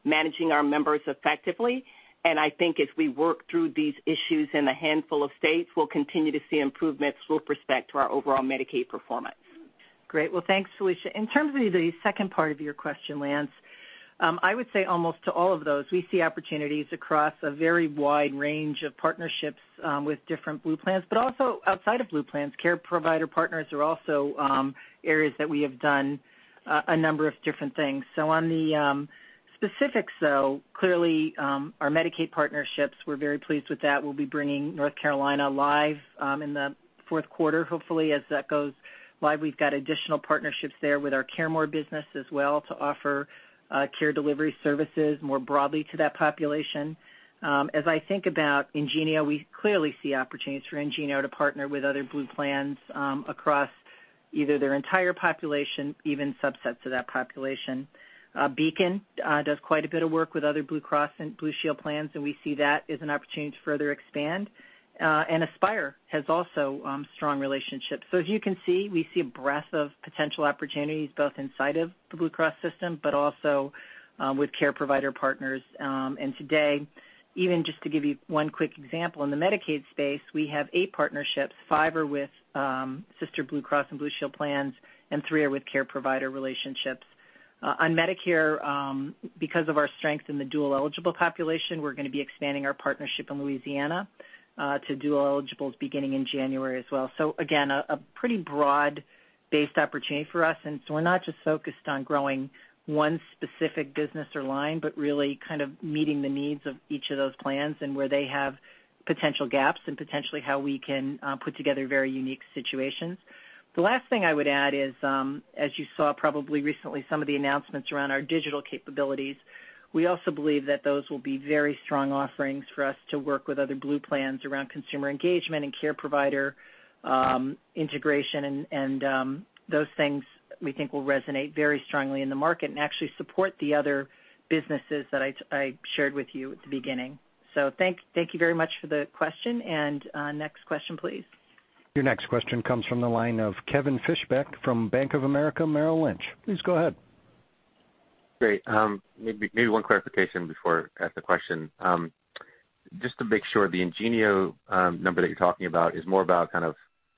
managing our members effectively. I think as we work through these issues in a handful of states, we'll continue to see improvements with respect to our overall Medicaid performance. Thanks, Felicia. In terms of the second part of your question, Lance, I would say almost to all of those, we see opportunities across a very wide range of partnerships with different Blue plans, but also outside of Blue plans, care provider partners are also areas that we have done a number of different things. On the specifics, though, clearly, our Medicaid partnerships, we are very pleased with that. We will be bringing North Carolina live in the fourth quarter, hopefully, as that goes live. We have got additional partnerships there with our CareMore business as well to offer care delivery services more broadly to that population. As I think about IngenioRx, we clearly see opportunities for IngenioRx to partner with other Blue plans across either their entire population, even subsets of that population. Beacon does quite a bit of work with other Blue Cross and Blue Shield plans, we see that as an opportunity to further expand. Aspire has also strong relationships. As you can see, we see a breadth of potential opportunities both inside of the Blue Cross system, but also with care provider partners. Today, even just to give you one quick example, in the Medicaid space, we have eight partnerships. Five are with sister Blue Cross and Blue Shield plans, and three are with care provider relationships. On Medicare, because of our strength in the dual-eligible population, we're going to be expanding our partnership in Louisiana to dual eligibles beginning in January as well. Again, a pretty broad-based opportunity for us. We're not just focused on growing one specific business or line, but really kind of meeting the needs of each of those plans and where they have potential gaps and potentially how we can put together very unique situations. The last thing I would add is, as you saw probably recently, some of the announcements around our digital capabilities. We also believe that those will be very strong offerings for us to work with other Blue plans around consumer engagement and care provider integration, and those things we think will resonate very strongly in the market and actually support the other businesses that I shared with you at the beginning. Thank you very much for the question. Next question, please. Your next question comes from the line of Kevin Fischbeck from Bank of America Merrill Lynch. Please go ahead. Great. Maybe one clarification before I ask the question. Just to make sure, the IngenioRx number that you're talking about is more about kind of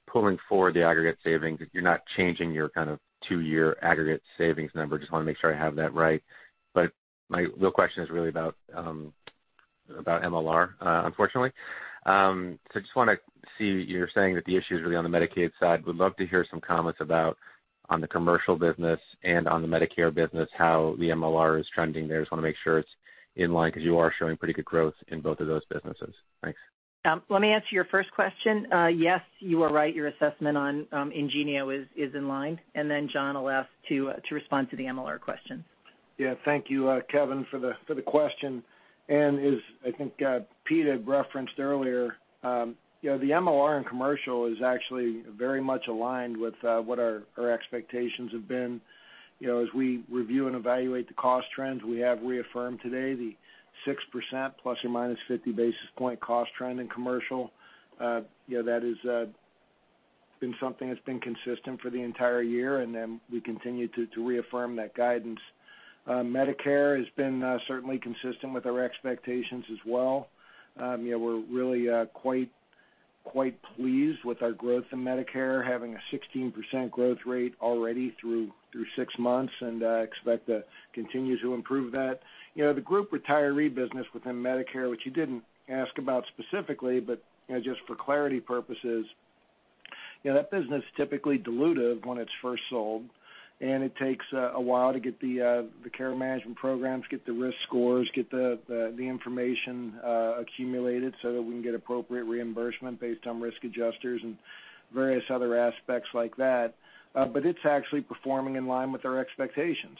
pulling forward the aggregate savings, you're not changing your kind of two-year aggregate savings number. Just want to make sure I have that right. My real question is really about MLR, unfortunately. Just want to see, you're saying that the issue is really on the Medicaid side. Would love to hear some comments about on the commercial business and on the Medicare business, how the MLR is trending there. Just want to make sure it's in line because you are showing pretty good growth in both of those businesses. Thanks. Let me answer your first question. Yes, you are right. Your assessment on IngenioRx is in line. John I'll ask to respond to the MLR question. Yeah. Thank you, Kevin, for the question. As I think Pete had referenced earlier, the MLR in commercial is actually very much aligned with what our expectations have been. As we review and evaluate the cost trends, we have reaffirmed today the 6% ± 50 basis point cost trend in commercial. That has been something that's been consistent for the entire year, and then we continue to reaffirm that guidance. Medicare has been certainly consistent with our expectations as well. We're really quite pleased with our growth in Medicare, having a 16% growth rate already through six months, and I expect to continue to improve that. The group retiree business within Medicare, which you didn't ask about specifically, but just for clarity purposes, that business is typically dilutive when it's first sold, and it takes a while to get the care management programs, get the risk scores, get the information accumulated so that we can get appropriate reimbursement based on risk adjusters and various other aspects like that. It's actually performing in line with our expectations.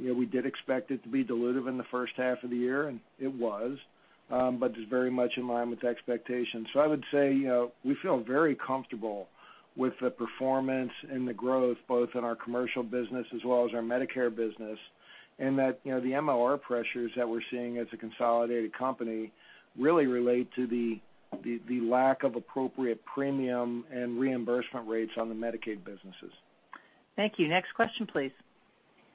We did expect it to be dilutive in the first half of the year, and it was, but it's very much in line with the expectations. I would say, we feel very comfortable with the performance and the growth both in our commercial business as well as our Medicare business, and that the MLR pressures that we're seeing as a consolidated company really relate to the lack of appropriate premium and reimbursement rates on the Medicaid businesses. Thank you. Next question, please.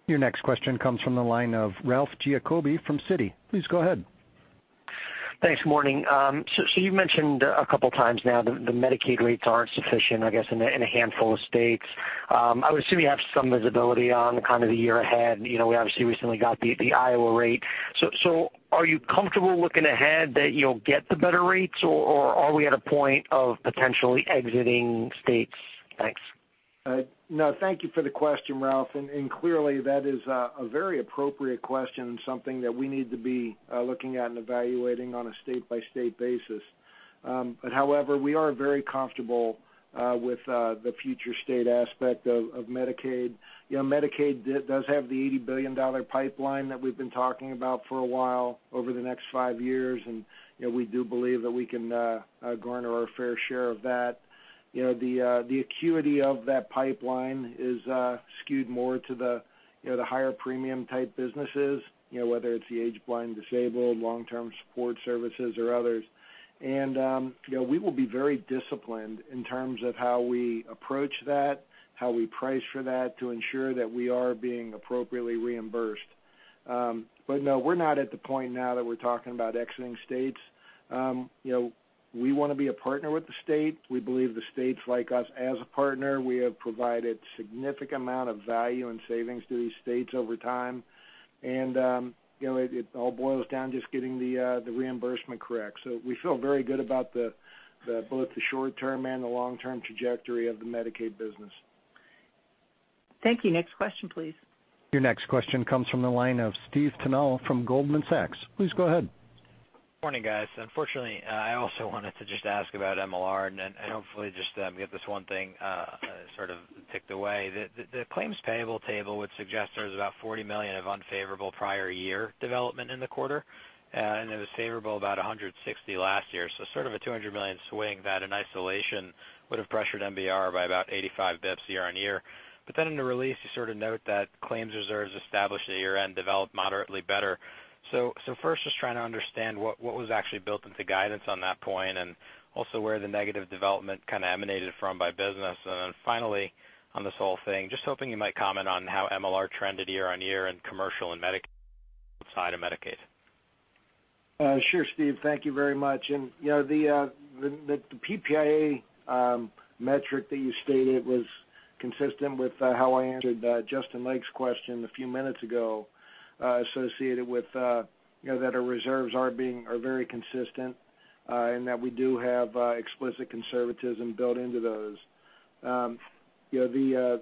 Your next question comes from the line of Ralph Giacobbe from Citi. Please go ahead. Thanks. Morning. You've mentioned a couple times now the Medicaid rates aren't sufficient, I guess, in a handful of states. I would assume you have some visibility on kind of the year ahead. We obviously recently got the Iowa rate. Are you comfortable looking ahead that you'll get the better rates, or are we at a point of potentially exiting states? Thanks. No. Thank you for the question, Ralph. Clearly, that is a very appropriate question and something that we need to be looking at and evaluating on a state-by-state basis. However, we are very comfortable with the future state aspect of Medicaid. Medicaid does have the $80 billion pipeline that we've been talking about for a while over the next five years, and we do believe that we can garner our fair share of that. The acuity of that pipeline is skewed more to the higher premium type businesses, whether it's the aged, blind, disabled, long-term support services or others. We will be very disciplined in terms of how we approach that, how we price for that to ensure that we are being appropriately reimbursed. No, we're not at the point now that we're talking about exiting states. We want to be a partner with the state. We believe the states like us as a partner. We have provided significant amount of value and savings to these states over time. It all boils down to just getting the reimbursement correct. We feel very good about both the short-term and the long-term trajectory of the Medicaid business. Thank you. Next question, please. Your next question comes from the line of Stephen Tanal from Goldman Sachs. Please go ahead. Morning, guys. Unfortunately, I also wanted to just ask about MLR. Hopefully just get this one thing sort of ticked away. The claims payable table would suggest there was about $40 million of unfavorable prior year development in the quarter, and it was favorable about $160 last year. Sort of a $200 million swing that in isolation would've pressured MLR by about 85 basis points year-on-year. In the release, you sort of note that claims reserves established at year-end developed moderately better. First, just trying to understand what was actually built into guidance on that point. Where the negative development kind of emanated from by business. Finally on this whole thing, just hoping you might comment on how MLR trended year-on-year in commercial and outside of Medicaid. Sure, Stephen. Thank you very much. The PPIA metric that you stated was consistent with how I answered Justin Lake's question a few minutes ago, associated with that our reserves are very consistent, and that we do have explicit conservatism built into those. The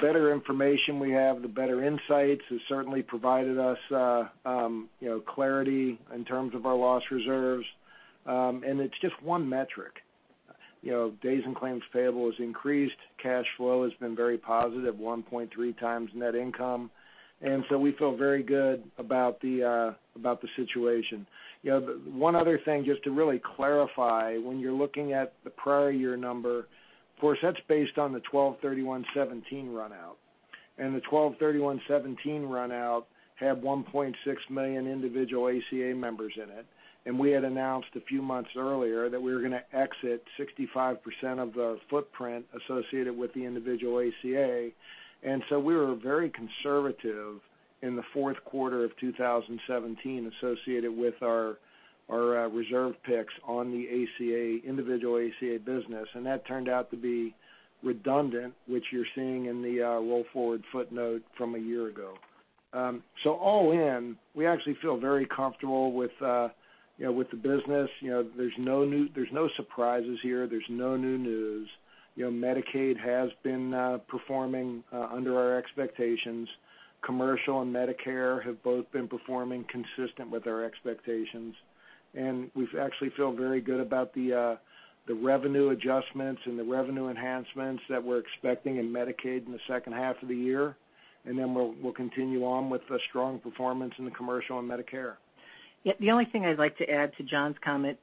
better information we have, the better insights. It certainly provided us clarity in terms of our loss reserves. It's just one metric. Days in claims payable has increased. Cash flow has been very positive, 1.3x net income. We feel very good about the situation. One other thing, just to really clarify, when you're looking at the prior year number, of course, that's based on the 12/31/2017 runout, and the 12/31/2017 runout had 1.6 million individual ACA members in it. We had announced a few months earlier that we were going to exit 65% of the footprint associated with the individual ACA. We were very conservative in the fourth quarter of 2017 associated with our reserve picks on the individual ACA business. That turned out to be redundant, which you're seeing in the roll-forward footnote from a year ago. All in, we actually feel very comfortable with the business. There's no surprises here. There's no new news. Medicaid has been performing under our expectations. Commercial and Medicare have both been performing consistent with our expectations, and we actually feel very good about the revenue adjustments and the revenue enhancements that we're expecting in Medicaid in the second half of the year. We'll continue on with the strong performance in the Commercial and Medicare. Yeah, the only thing I'd like to add to John's comment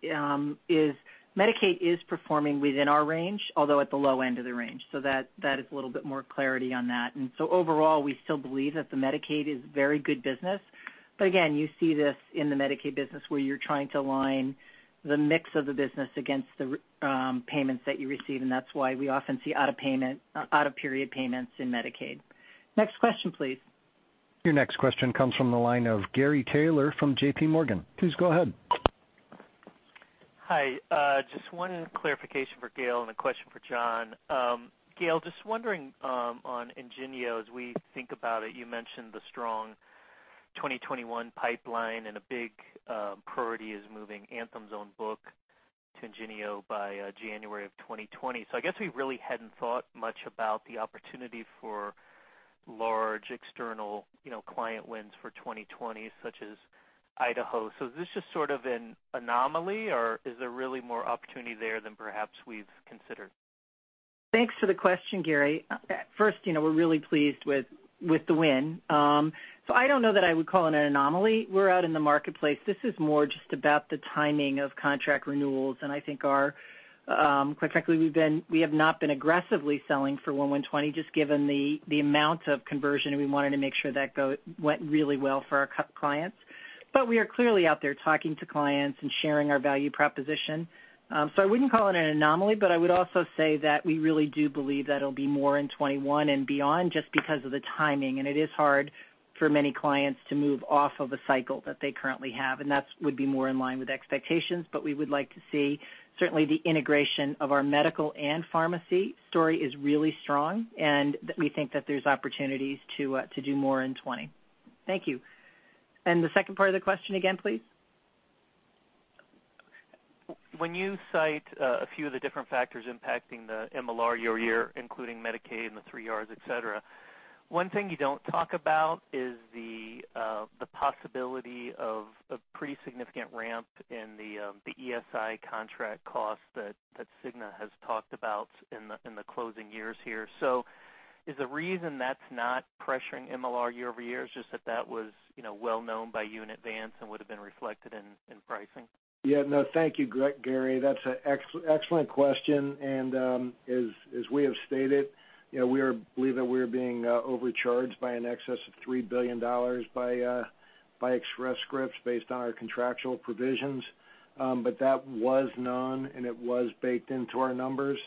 is Medicaid is performing within our range, although at the low end of the range. That is a little bit more clarity on that. Overall, we still believe that the Medicaid is very good business. Again, you see this in the Medicaid business where you're trying to align the mix of the business against the payments that you receive, and that's why we often see out-of-period payments in Medicaid. Next question, please. Your next question comes from the line of Gary Taylor from JPMorgan. Please go ahead. Hi. Just one clarification for Gail and a question for John. Gail, just wondering on IngenioRx, as we think about it, you mentioned the strong 2021 pipeline and a big priority is moving Anthem's own book to IngenioRx by January of 2020. I guess we really hadn't thought much about the opportunity for large external client wins for 2020, such as Idaho. Is this just sort of an anomaly, or is there really more opportunity there than perhaps we've considered? Thanks for the question, Gary. First, we're really pleased with the win. I don't know that I would call it an anomaly. We're out in the marketplace. This is more just about the timing of contract renewals and I think our, quite frankly, we have not been aggressively selling for 1120, just given the amount of conversion, and we wanted to make sure that went really well for our clients. We are clearly out there talking to clients and sharing our value proposition. I wouldn't call it an anomaly, but I would also say that we really do believe that it'll be more in 2021 and beyond just because of the timing, and it is hard for many clients to move off of a cycle that they currently have, and that would be more in line with expectations. We would like to see certainly the integration of our medical and pharmacy story is really strong, and we think that there's opportunities to do more in 2020. Thank you. The second part of the question again, please. When you cite a few of the different factors impacting the MLR year-over-year, including Medicaid and the three Rs, et cetera, one thing you don't talk about is the possibility of a pretty significant ramp in the ESI contract cost that Cigna has talked about in the closing years here. Is the reason that's not pressuring MLR year-over-year is just that was well-known by you in advance and would've been reflected in pricing? Yeah. No, thank you, Gary. That's an excellent question, and as we have stated, we believe that we are being overcharged by an excess of $3 billion by Express Scripts based on our contractual provisions. That was known, and it was baked into our numbers.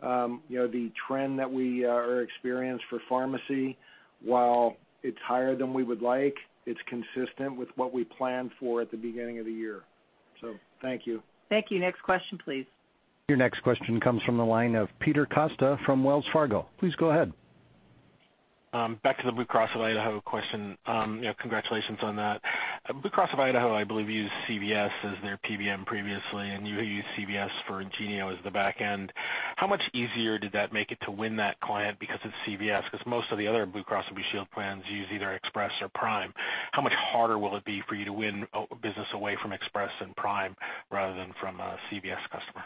The trend that we experienced for pharmacy, while it's higher than we would like, it's consistent with what we planned for at the beginning of the year. Thank you. Thank you. Next question please. Your next question comes from the line of Peter Costa from Wells Fargo. Please go ahead. Back to the Blue Cross of Idaho question. Congratulations on that. Blue Cross of Idaho, I believe, used CVS as their PBM previously, and you used CVS for Ingenio as the back end. How much easier did that make it to win that client because it's CVS? Because most of the other Blue Cross and Blue Shield plans use either Express or Prime. How much harder will it be for you to win business away from Express and Prime rather than from a CVS customer?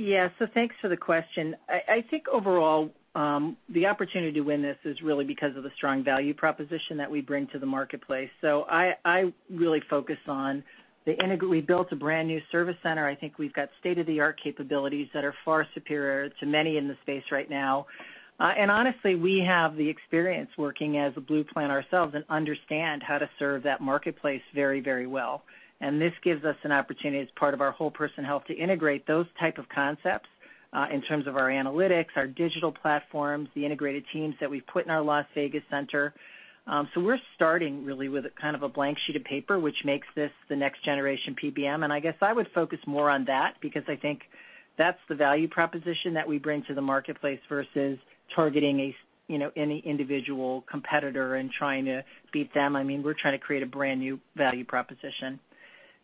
Yeah. Thanks for the question. I think overall, the opportunity to win this is really because of the strong value proposition that we bring to the marketplace. We built a brand-new service center. I think we've got state-of-the-art capabilities that are far superior to many in the space right now. Honestly, we have the experience working as a Blue plan ourselves and understand how to serve that marketplace very well. This gives us an opportunity as part of our whole person health to integrate those type of concepts, in terms of our analytics, our digital platforms, the integrated teams that we've put in our Las Vegas center. We're starting really with kind of a blank sheet of paper, which makes this the next generation PBM. I guess I would focus more on that because I think that's the value proposition that we bring to the marketplace versus targeting any individual competitor and trying to beat them. We're trying to create a brand-new value proposition.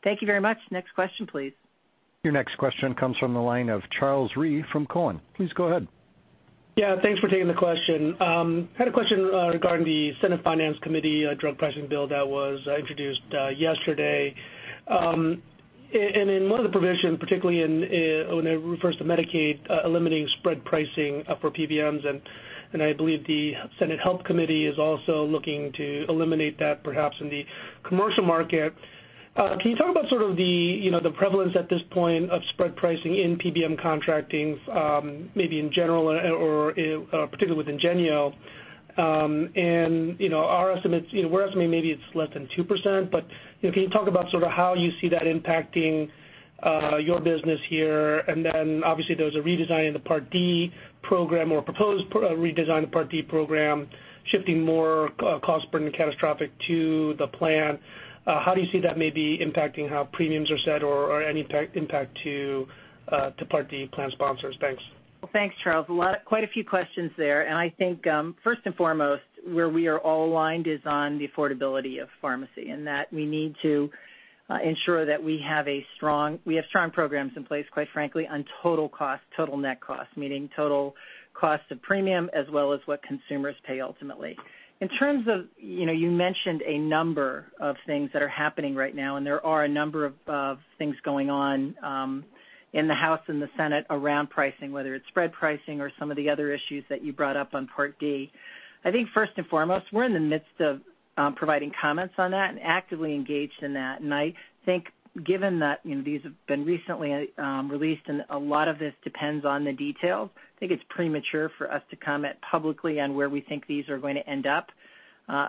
Thank you very much. Next question, please. Your next question comes from the line of Charles Rhyee from TD Cowen. Please go ahead. Yeah, thanks for taking the question. I had a question regarding the Senate Finance Committee drug pricing bill that was introduced yesterday. In one of the provisions, particularly when it refers to Medicaid eliminating spread pricing for PBMs, I believe the Senate Health Committee is also looking to eliminate that, perhaps in the commercial market. Can you talk about sort of the prevalence at this point of spread pricing in PBM contracting, maybe in general or particularly with IngenioRx? Our estimate maybe it's less than 2%, but can you talk about sort of how you see that impacting your business here? Obviously there's a redesign in the Part D program or proposed redesign of Part D program, shifting more cost burden catastrophic to the plan. How do you see that maybe impacting how premiums are set or any impact to Part D plan sponsors? Thanks. Well, thanks, Charles. Quite a few questions there, and I think first and foremost, where we are all aligned is on the affordability of pharmacy, and that we need to ensure that we have strong programs in place, quite frankly, on total cost, total net cost, meaning total cost of premium as well as what consumers pay ultimately. You mentioned a number of things that are happening right now, and there are a number of things going on in the House and the Senate around pricing, whether it's spread pricing or some of the other issues that you brought up on Part D. I think first and foremost, we're in the midst of providing comments on that and actively engaged in that. I think given that these have been recently released and a lot of this depends on the details, I think it's premature for us to comment publicly on where we think these are going to end up.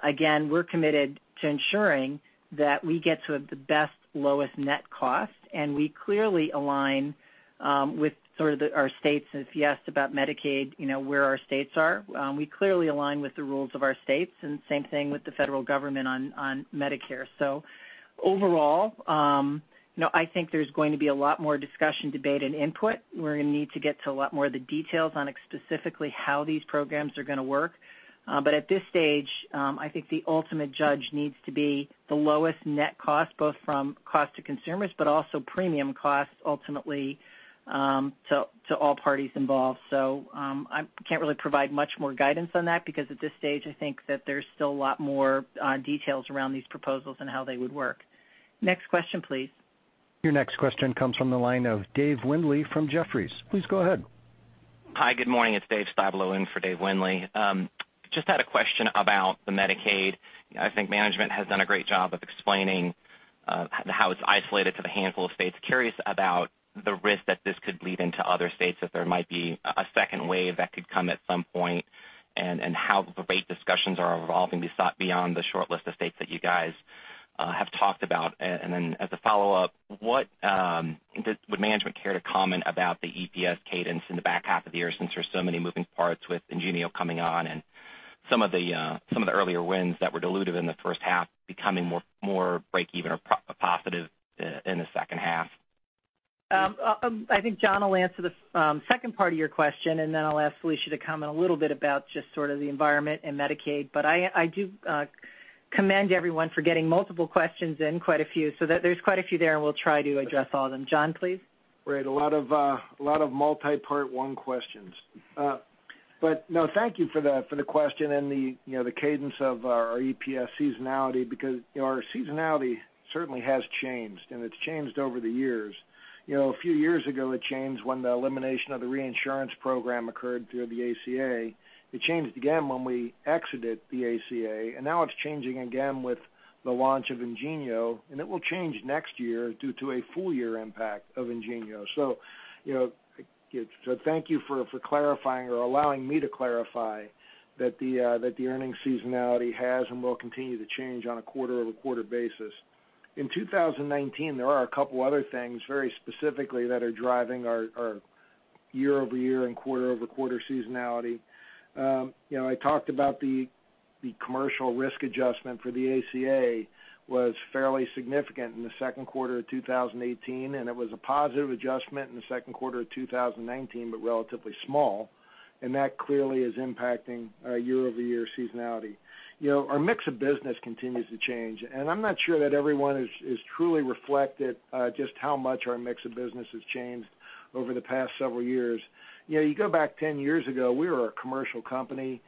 Again, we're committed to ensuring that we get to the best lowest net cost, and we clearly align with sort of our states. If you asked about Medicaid, where our states are, we clearly align with the rules of our states and same thing with the federal government on Medicare. Overall, I think there's going to be a lot more discussion, debate, and input. We're going to need to get to a lot more of the details on specifically how these programs are going to work. At this stage, I think the ultimate judge needs to be the lowest net cost, both from cost to consumers, but also premium cost ultimately, to all parties involved. I can't really provide much more guidance on that because at this stage, I think that there's still a lot more details around these proposals and how they would work. Next question, please. Your next question comes from the line of Dave Windley from Jefferies. Please go ahead. Hi, good morning. It's David Styblo in for Dave Windley. Just had a question about the Medicaid. I think management has done a great job of explaining how it's isolated to the handful of states. Curious about the risk that this could bleed into other states, that there might be a second wave that could come at some point, and how the rate discussions are evolving beyond the short list of states that you guys have talked about. As a follow-up, would management care to comment about the EPS cadence in the back half of the year, since there's so many moving parts with Ingenio coming on and some of the earlier wins that were diluted in the first half becoming more break-even or positive in the second half? I think John will answer the second part of your question, and then I'll ask Felicia to comment a little bit about just sort of the environment and Medicaid. I do commend everyone for getting multiple questions in, quite a few, so there's quite a few there, and we'll try to address all of them. John, please. Right. A lot of multi-part one questions. No, thank you for the question and the cadence of our EPS seasonality, because our seasonality certainly has changed, and it's changed over the years. A few years ago, it changed when the elimination of the reinsurance program occurred through the ACA. It changed again when we exited the ACA, and now it's changing again with the launch of IngenioRx, and it will change next year due to a full-year impact of IngenioRx. Thank you for clarifying or allowing me to clarify that the earnings seasonality has and will continue to change on a quarter-over-quarter basis. In 2019, there are a couple of other things very specifically that are driving our Year-over-year and quarter-over-quarter seasonality. I talked about the commercial risk adjustment for the ACA was fairly significant in the second quarter of 2018, and it was a positive adjustment in the second quarter of 2019, but relatively small, and that clearly is impacting our year-over-year seasonality. Our mix of business continues to change, and I'm not sure that everyone has truly reflected just how much our mix of business has changed over the past several years. You go back 10 years ago, we were a commercial company.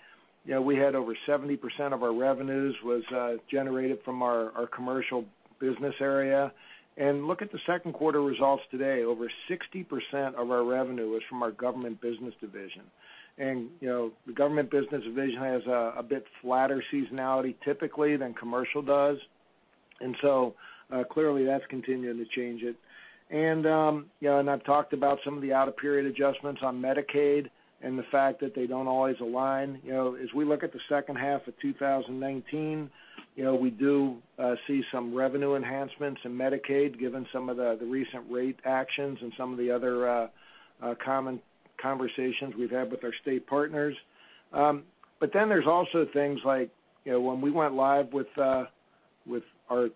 We had over 70% of our revenues was generated from our commercial business area. Look at the second quarter results today. Over 60% of our revenue was from our Government Business Division. The Government Business Division has a bit flatter seasonality typically than commercial does. Clearly, that's continuing to change it. I've talked about some of the out-of-period adjustments on Medicaid and the fact that they don't always align. As we look at the second half of 2019, we do see some revenue enhancements in Medicaid, given some of the recent rate actions and some of the other common conversations we've had with our state partners. There's also things like when we went live with our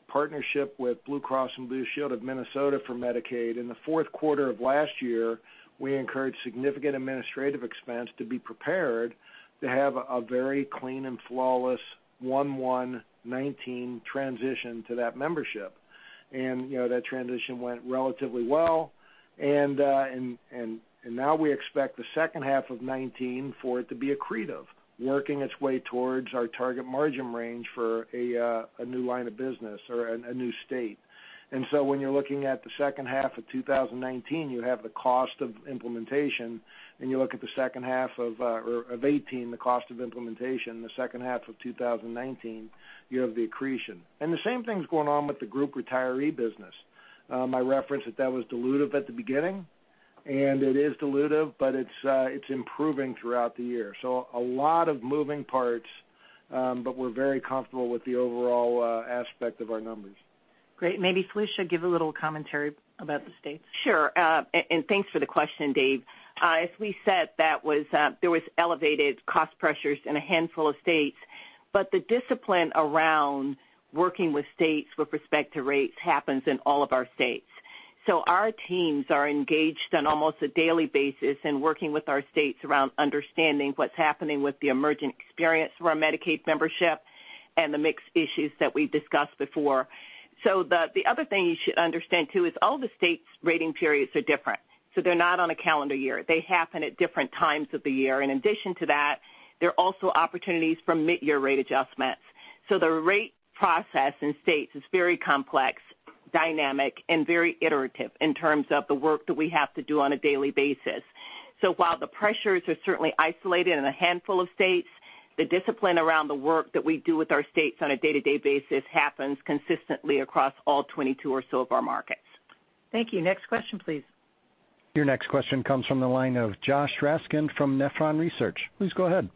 partnership with Blue Cross and Blue Shield of Minnesota for Medicaid, in the fourth quarter of last year, we encouraged significant administrative expense to be prepared to have a very clean and flawless 01/01/2019 transition to that membership. That transition went relatively well. Now we expect the second half of 2019 for it to be accretive, working its way towards our target margin range for a new line of business or a new state. When you're looking at the second half of 2019, you have the cost of implementation, and you look at the second half of 2018, the cost of implementation, the second half of 2019, you have the accretion. The same thing's going on with the group retiree business. My reference that that was dilutive at the beginning, and it is dilutive, but it's improving throughout the year. A lot of moving parts, but we're very comfortable with the overall aspect of our numbers. Great. Maybe Felicia, give a little commentary about the states. Sure. Thanks for the question, David. As we said, there was elevated cost pressures in a handful of states, the discipline around working with states with respect to rates happens in all of our states. Our teams are engaged on almost a daily basis in working with our states around understanding what's happening with the emergent experience for our Medicaid membership and the mixed issues that we've discussed before. The other thing you should understand, too, is all the states' rating periods are different. They're not on a calendar year. They happen at different times of the year. In addition to that, there are also opportunities for mid-year rate adjustments. The rate process in states is very complex, dynamic, and very iterative in terms of the work that we have to do on a daily basis. While the pressures are certainly isolated in a handful of states, the discipline around the work that we do with our states on a day-to-day basis happens consistently across all 22 or so of our markets. Thank you. Next question, please. Your next question comes from the line of Josh Raskin from Nephron Research. Please go ahead.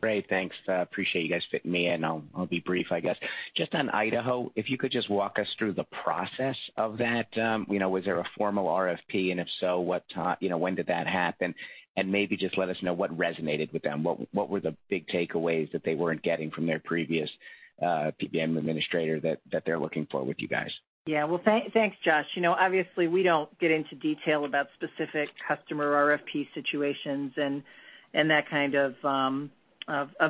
Great. Thanks. Appreciate you guys fitting me in. I'll be brief, I guess. Just on Idaho, if you could just walk us through the process of that. Was there a formal RFP, and if so, when did that happen? Maybe just let us know what resonated with them. What were the big takeaways that they weren't getting from their previous PBM administrator that they're looking for with you guys? Yeah. Well, thanks, Josh. Obviously, we don't get into detail about specific customer RFP situations and that kind of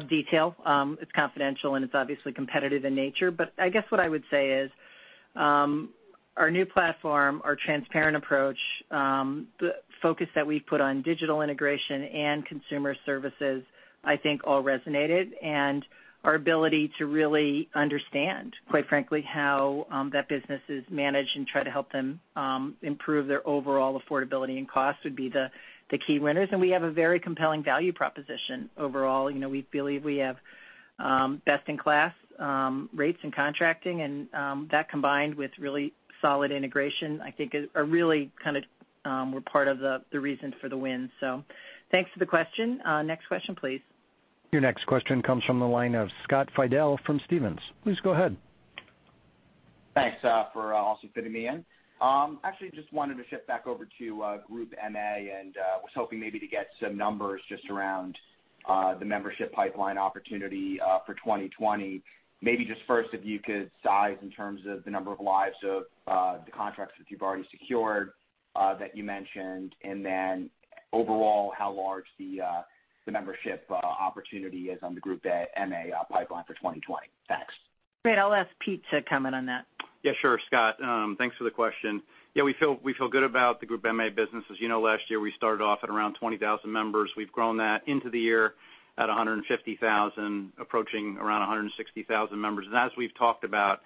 detail. It's confidential and it's obviously competitive in nature. I guess what I would say is, our new platform, our transparent approach, the focus that we put on digital integration and consumer services, I think all resonated, and our ability to really understand, quite frankly, how that business is managed and try to help them improve their overall affordability and cost would be the key winners. We have a very compelling value proposition overall. We believe we have best-in-class rates and contracting, and that combined with really solid integration, I think, are really part of the reasons for the win. Thanks for the question. Next question, please. Your next question comes from the line of Scott Fidel from Stephens. Please go ahead. Thanks for also fitting me in. Actually, just wanted to shift back over to Group MA and was hoping maybe to get some numbers just around the membership pipeline opportunity for 2020. Maybe just first, if you could size in terms of the number of lives of the contracts that you've already secured that you mentioned, and then overall, how large the membership opportunity is on the Group MA pipeline for 2020. Thanks. Great. I'll ask Pete to comment on that. Sure, Scott. Thanks for the question. We feel good about the Group MA business. As you know, last year, we started off at around 20,000 members. We've grown that into the year at 150,000, approaching around 160,000 members. As we've talked about,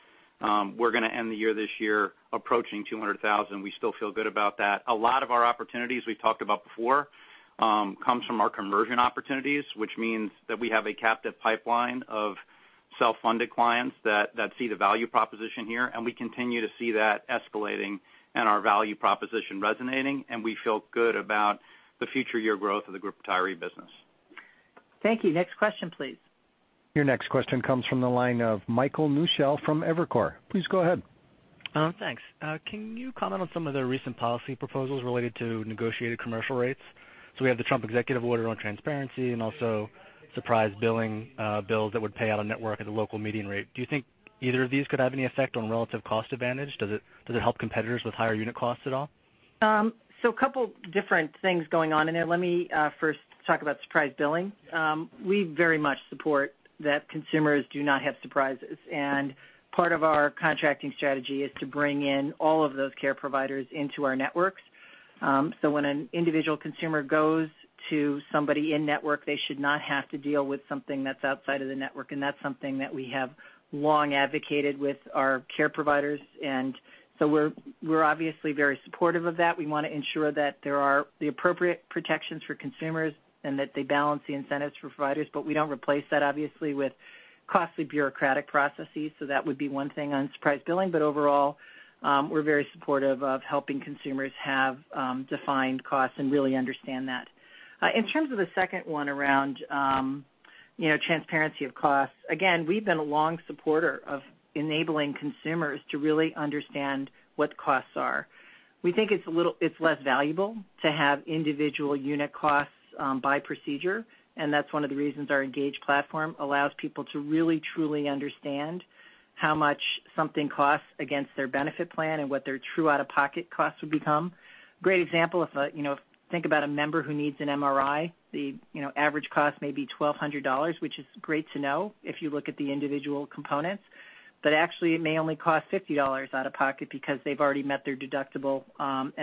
we're going to end the year this year approaching 200,000. We still feel good about that. A lot of our opportunities we've talked about before comes from our conversion opportunities, which means that we have a captive pipeline of self-funded clients that see the value proposition here, and we continue to see that escalating and our value proposition resonating, and we feel good about the future year growth of the group retiree business. Thank you. Next question, please. Your next question comes from the line of Michael Newshel from Evercore. Please go ahead. Thanks. Can you comment on some of the recent policy proposals related to negotiated commercial rates? We have the Trump Executive Order on transparency and also surprise billing bills that would pay out-of-network at a local median rate. Do you think either of these could have any effect on relative cost advantage? Does it help competitors with higher unit costs at all? A couple different things going on in there. Let me first talk about surprise billing. We very much support that consumers do not have surprises, and part of our contracting strategy is to bring in all of those care providers into our networks. When an individual consumer goes to somebody in-network, they should not have to deal with something that's outside of the network, and that's something that we have long advocated with our care providers. We're obviously very supportive of that. We want to ensure that there are the appropriate protections for consumers and that they balance the incentives for providers. We don't replace that, obviously, with costly bureaucratic processes. That would be one thing on surprise billing. Overall, we're very supportive of helping consumers have defined costs and really understand that. In terms of the second one around transparency of costs, again, we've been a long supporter of enabling consumers to really understand what the costs are. We think it's less valuable to have individual unit costs by procedure. That's one of the reasons our Engage platform allows people to really, truly understand how much something costs against their benefit plan and what their true out-of-pocket costs would become. Great example, if you think about a member who needs an MRI, the average cost may be $1,200, which is great to know if you look at the individual components. Actually, it may only cost $50 out of pocket because they've already met their deductible.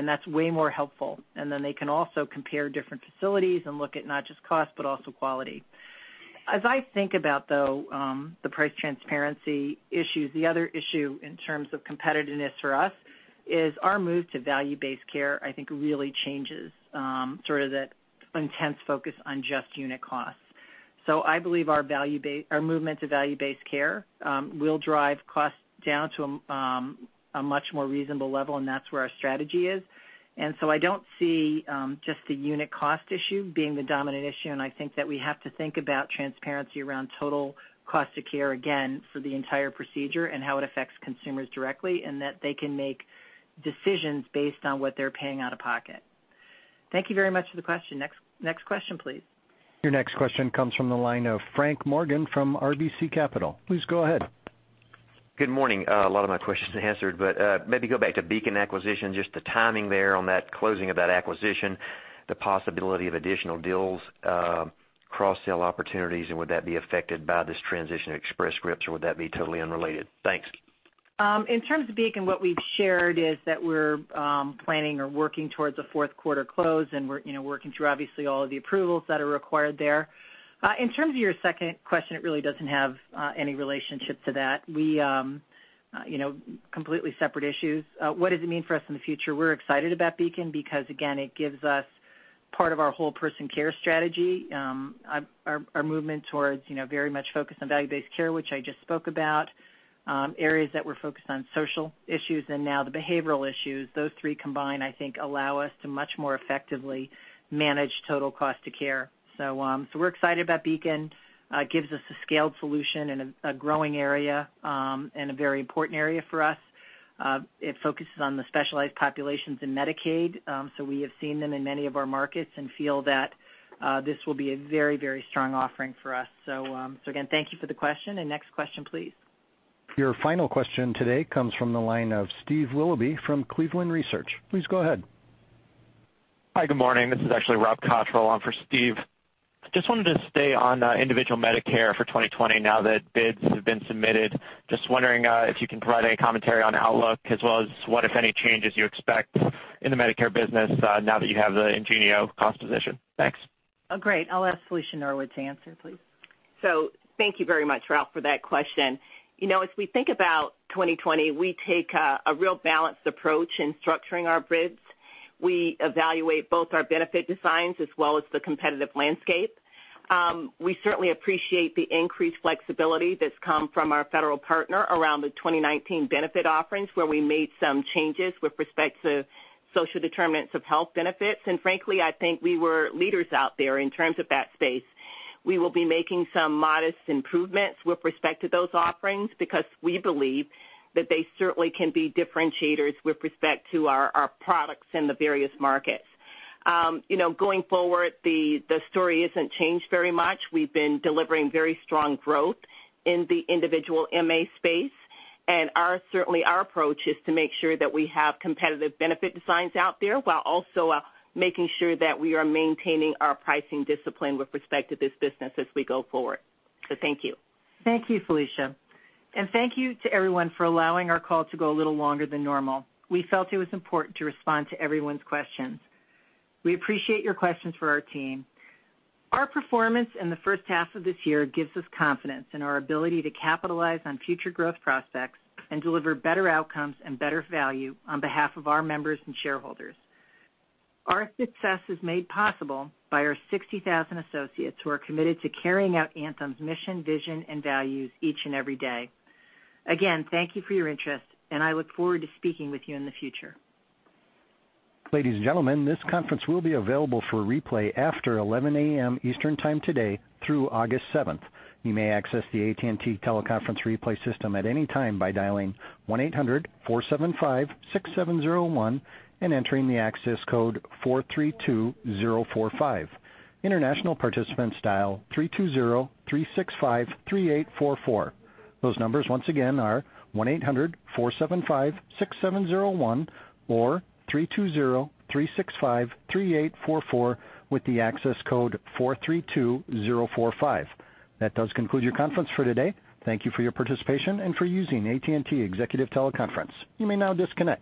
That's way more helpful. Then they can also compare different facilities and look at not just cost, but also quality. As I think about, though, the price transparency issues, the other issue in terms of competitiveness for us is our move to value-based care, I think, really changes sort of the intense focus on just unit costs. I believe our movement to value-based care will drive costs down to a much more reasonable level, and that's where our strategy is. I don't see just the unit cost issue being the dominant issue, and I think that we have to think about transparency around total cost of care, again, for the entire procedure and how it affects consumers directly, and that they can make decisions based on what they're paying out of pocket. Thank you very much for the question. Next question, please. Your next question comes from the line of Frank Morgan from RBC Capital Markets. Please go ahead. Good morning. A lot of my questions are answered, but maybe go back to Beacon acquisition, just the timing there on that closing of that acquisition, the possibility of additional deals, cross-sell opportunities, and would that be affected by this transition to Express Scripts, or would that be totally unrelated? Thanks. In terms of Beacon, what we've shared is that we're planning or working towards a fourth-quarter close, and we're working through, obviously, all of the approvals that are required there. In terms of your second question, it really doesn't have any relationship to that. Completely separate issues. What does it mean for us in the future? We're excited about Beacon because, again, it gives us part of our whole person care strategy our movement towards very much focused on value-based care, which I just spoke about, areas that we're focused on social issues and now the behavioral issues. Those three combined, I think, allow us to much more effectively manage total cost of care. We're excited about Beacon. Gives us a scaled solution in a growing area and a very important area for us. It focuses on the specialized populations in Medicaid. We have seen them in many of our markets and feel that this will be a very strong offering for us. Again, thank you for the question. Next question, please. Your final question today comes from the line of Steve Willoughby from Cleveland Research. Please go ahead. Hi, good morning. This is actually Rob Cottrell on for Steve. Just wanted to stay on individual Medicare for 2020 now that bids have been submitted. Just wondering if you can provide any commentary on outlook as well as what, if any, changes you expect in the Medicare business now that you have the IngenioRx cost position. Thanks. Oh, great. I'll ask Felicia Norwood to answer, please. Thank you very much, Rob, for that question. As we think about 2020, we take a real balanced approach in structuring our bids. We evaluate both our benefit designs as well as the competitive landscape. We certainly appreciate the increased flexibility that's come from our federal partner around the 2019 benefit offerings, where we made some changes with respect to social determinants of health benefits. Frankly, I think we were leaders out there in terms of that space. We will be making some modest improvements with respect to those offerings because we believe that they certainly can be differentiators with respect to our products in the various markets. Going forward, the story isn't changed very much. We've been delivering very strong growth in the individual MA space, and certainly our approach is to make sure that we have competitive benefit designs out there while also making sure that we are maintaining our pricing discipline with respect to this business as we go forward. Thank you. Thank you, Felicia. Thank you to everyone for allowing our call to go a little longer than normal. We felt it was important to respond to everyone's questions. We appreciate your questions for our team. Our performance in the first half of this year gives us confidence in our ability to capitalize on future growth prospects and deliver better outcomes and better value on behalf of our members and shareholders. Our success is made possible by our 60,000 associates who are committed to carrying out Anthem's mission, vision, and values each and every day. Again, thank you for your interest, and I look forward to speaking with you in the future. Ladies and gentlemen, this conference will be available for replay after 11:00 A.M. Eastern Time today through August seventh. You may access the AT&T teleconference replay system at any time by dialing 1-800-475-6701 and entering the access code 432045. International participants dial 3203653844. Those numbers once again are 1-800-475-6701 or 3203653844 with the access code 432045. That does conclude your conference for today. Thank you for your participation and for using AT&T Executive Teleconference. You may now disconnect.